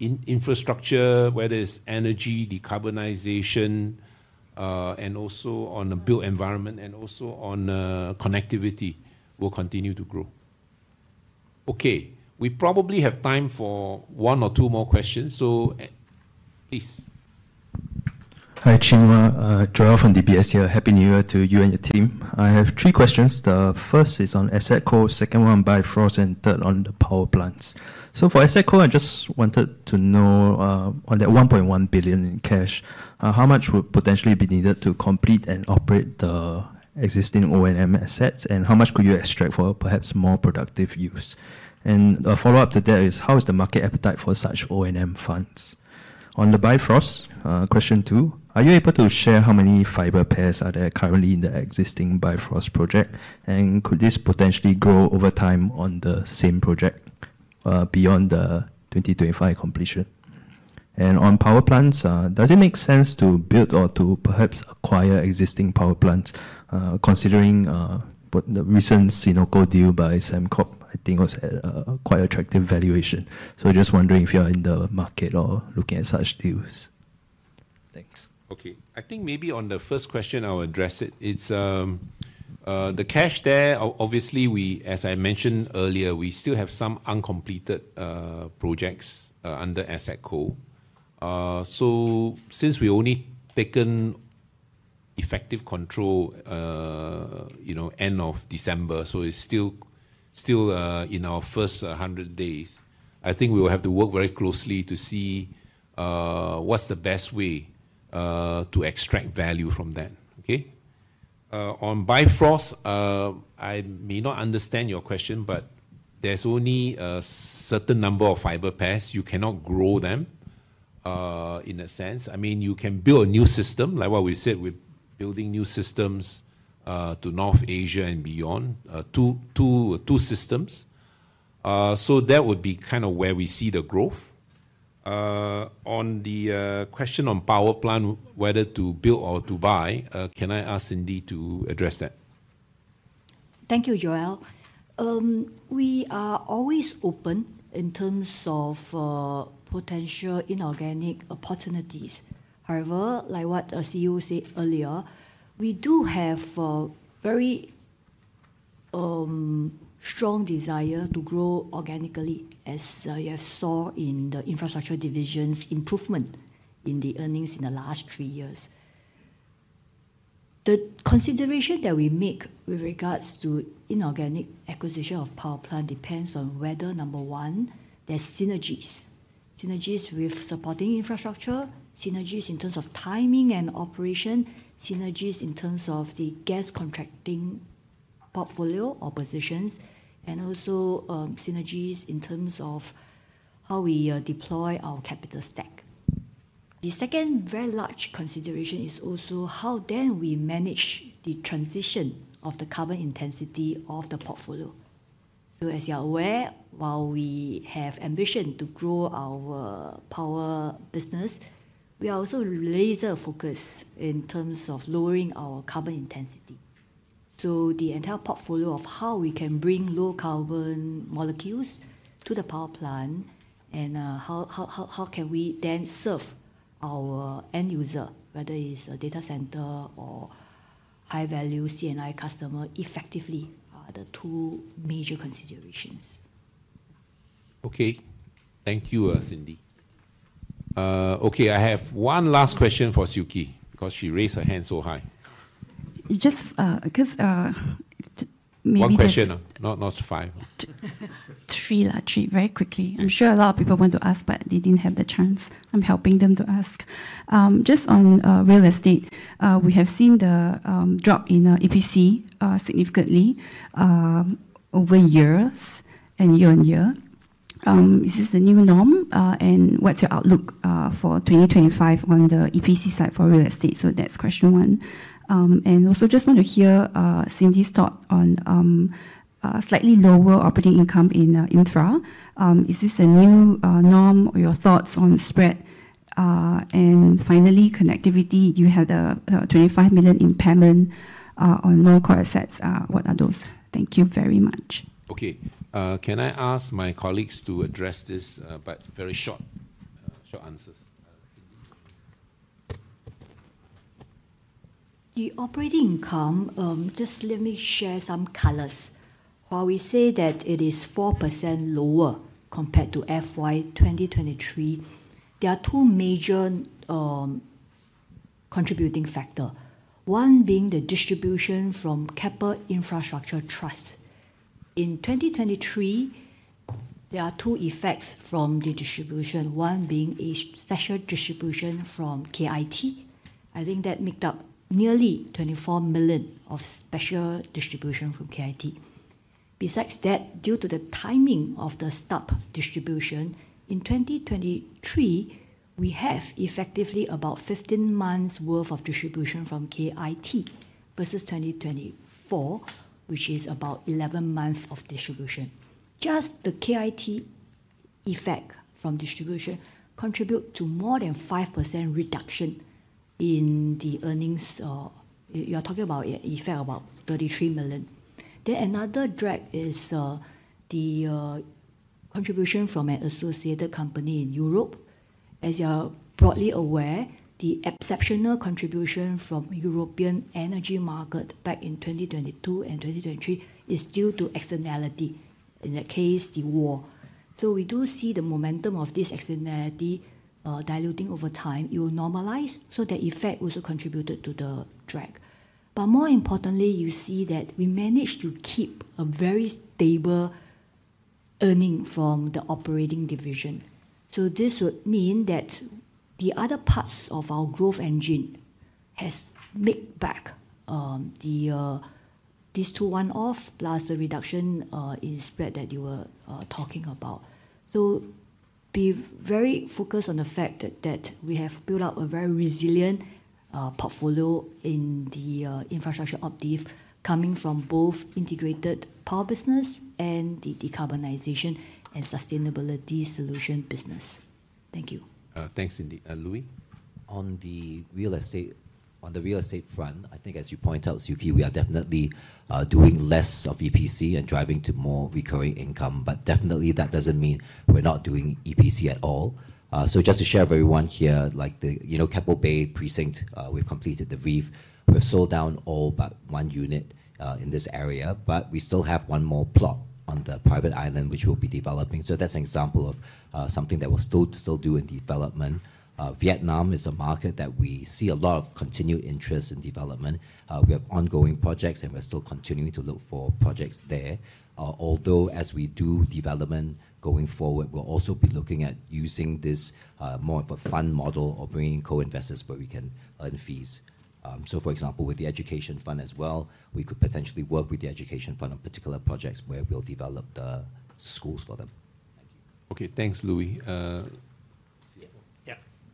infrastructure, whether it's energy, decarbonization, and also on the built environment, and also on connectivity, that will continue to grow. Okay. We probably have time for one or two more questions. Please. Hi, Chin Hua. Joel from DBS here. Happy New Year to you and your team. I have three questions. The first is on AssetCo, second one on Bifrost, and third on the power plants. So for AssetCo, I just wanted to know on that 1.1 billion in cash, how much would potentially be needed to complete and operate the existing O&M assets, and how much could you extract for perhaps more productive use? And a follow-up to that is, how is the market appetite for such O&M funds? On the Bifrost, question two, are you able to share how many fiber pairs are there currently in the existing Bifrost project, and could this potentially grow over time on the same project beyond the 2025 completion? On power plants, does it make sense to build or to perhaps acquire existing power plants, considering the recent Sinopec deal by Sembcorp? I think it was quite an attractive valuation. So just wondering if you are in the market or looking at such deals. Thanks. Okay. I think maybe on the first question, I'll address it. The cash there, obviously, as I mentioned earlier, we still have some uncompleted projects under AssetCo. So since we've only taken effective control end of December, so it's still in our first 100 days, I think we will have to work very closely to see what's the best way to extract value from that. Okay. On Bifrost, I may not understand your question, but there's only a certain number of fiber pairs. You cannot grow them in a sense. I mean, you can build a new system, like what we said, we're building new systems to North Asia and beyond, two systems. So that would be kind of where we see the growth. On the question on power plant, whether to build or to buy, can I ask Cindy to address that? Thank you, Joel. We are always open in terms of potential inorganic opportunities. However, like what CEO said earlier, we do have a very strong desire to grow organically, as you have saw in the infrastructure division's improvement in the earnings in the last three years. The consideration that we make with regards to inorganic acquisition of power plant depends on whether, number one, there's synergies. Synergies with supporting infrastructure, synergies in terms of timing and operation, synergies in terms of the gas contracting portfolio or positions, and also synergies in terms of how we deploy our capital stack. The second very large consideration is also how then we manage the transition of the carbon intensity of the portfolio. So as you're aware, while we have ambition to grow our power business, we are also laser-focused in terms of lowering our carbon intensity. So the entire portfolio of how we can bring low carbon molecules to the power plant and how can we then serve our end user, whether it's a data center or high-value CNI customer, effectively are the two major considerations. Okay. Thank you, Cindy. Okay. I have one last question for Suki because she raised her hand so high. Just because maybe one question, not five. Three, very quickly. I'm sure a lot of people want to ask, but they didn't have the chance. I'm helping them to ask. Just on real estate, we have seen the drop in EPC significantly over years and year on year. Is this the new norm, and what's your outlook for 2025 on the EPC side for real estate? So that's question one. And also just want to hear Cindy's thought on slightly lower operating income in infra. Is this a new norm or your thoughts on spread? And finally, connectivity, you had a 25 million in payment on non-core assets. What are those? Thank you very much. Okay. Can I ask my colleagues to address this, but very short answers? The operating income, just let me share some colors. While we say that it is 4% lower compared to FY 2023, there are two major contributing factors. One being the distribution from Keppel Infrastructure Trust. In 2023, there are two effects from the distribution. One being a special distribution from KIT. I think that makes up nearly 24 million of special distribution from KIT. Besides that, due to the timing of the stub distribution, in 2023, we have effectively about 15 months' worth of distribution from KIT versus 2024, which is about 11 months of distribution. Just the KIT effect from distribution contributes to more than 5% reduction in the earnings. You're talking about an effect of about 33 million. Then another drag is the contribution from an associated company in Europe. As you're broadly aware, the exceptional contribution from the European energy market back in 2022 and 2023 is due to externality, in that case, the war. So we do see the momentum of this externality diluting over time. It will normalize, so that effect also contributed to the drag. But more importantly, you see that we managed to keep a very stable earnings from the operating division. So this would mean that the other parts of our growth engine have made back these two one-offs, plus the reduction in spread that you were talking about. So be very focused on the fact that we have built up a very resilient portfolio in the infrastructure offering coming from both integrated power business and the decarbonization and sustainability solution business. Thank you. Thanks, Cindy. Louis? On the real estate front, I think, as you point out, Suki, we are definitely doing less of EPC and driving to more recurring income. But definitely, that doesn't mean we're not doing EPC at all. So just to share with everyone here, like Keppel Bay Precinct, we've completed the REIT. We've sold down all but one unit in this area, but we still have one more plot on the private island, which we'll be developing. So that's an example of something that we'll still do in development. Vietnam is a market that we see a lot of continued interest in development. We have ongoing projects, and we're still continuing to look for projects there. Although, as we do development going forward, we'll also be looking at using this more of a fund model or bringing co-investors where we can earn fees. So, for example, with the education fund as well, we could potentially work with the education fund on particular projects where we'll develop the schools for them. Okay. Thanks, Louis.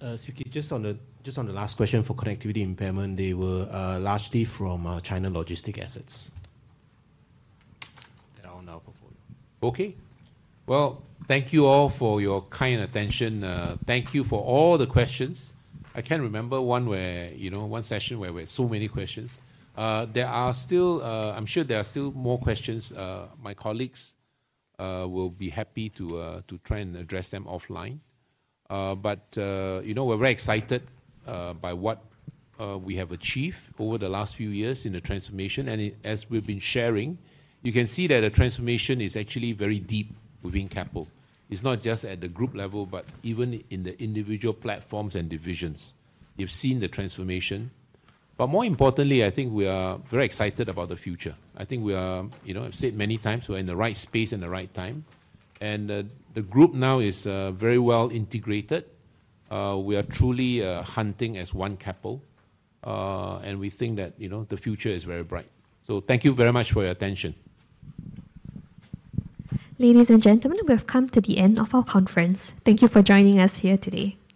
Suki. Just on the last question for connectivity impairment, they were largely from China logistics assets that are on our portfolio. Okay. Thank you all for your kind attention. Thank you for all the questions. I can't remember one session where we had so many questions. There are still, I'm sure there are still more questions. My colleagues will be happy to try and address them offline. But we're very excited by what we have achieved over the last few years in the transformation. And as we've been sharing, you can see that the transformation is actually very deep within Keppel. It's not just at the group level, but even in the individual platforms and divisions. You've seen the transformation. But more importantly, I think we are very excited about the future. I think we are, I've said many times, we're in the right space at the right time. And the group now is very well integrated. We are truly hunting as one Keppel. We think that the future is very bright. Thank you very much for your attention. Ladies and gentlemen, We have come to the end of our conference. Thank you for joining us here today.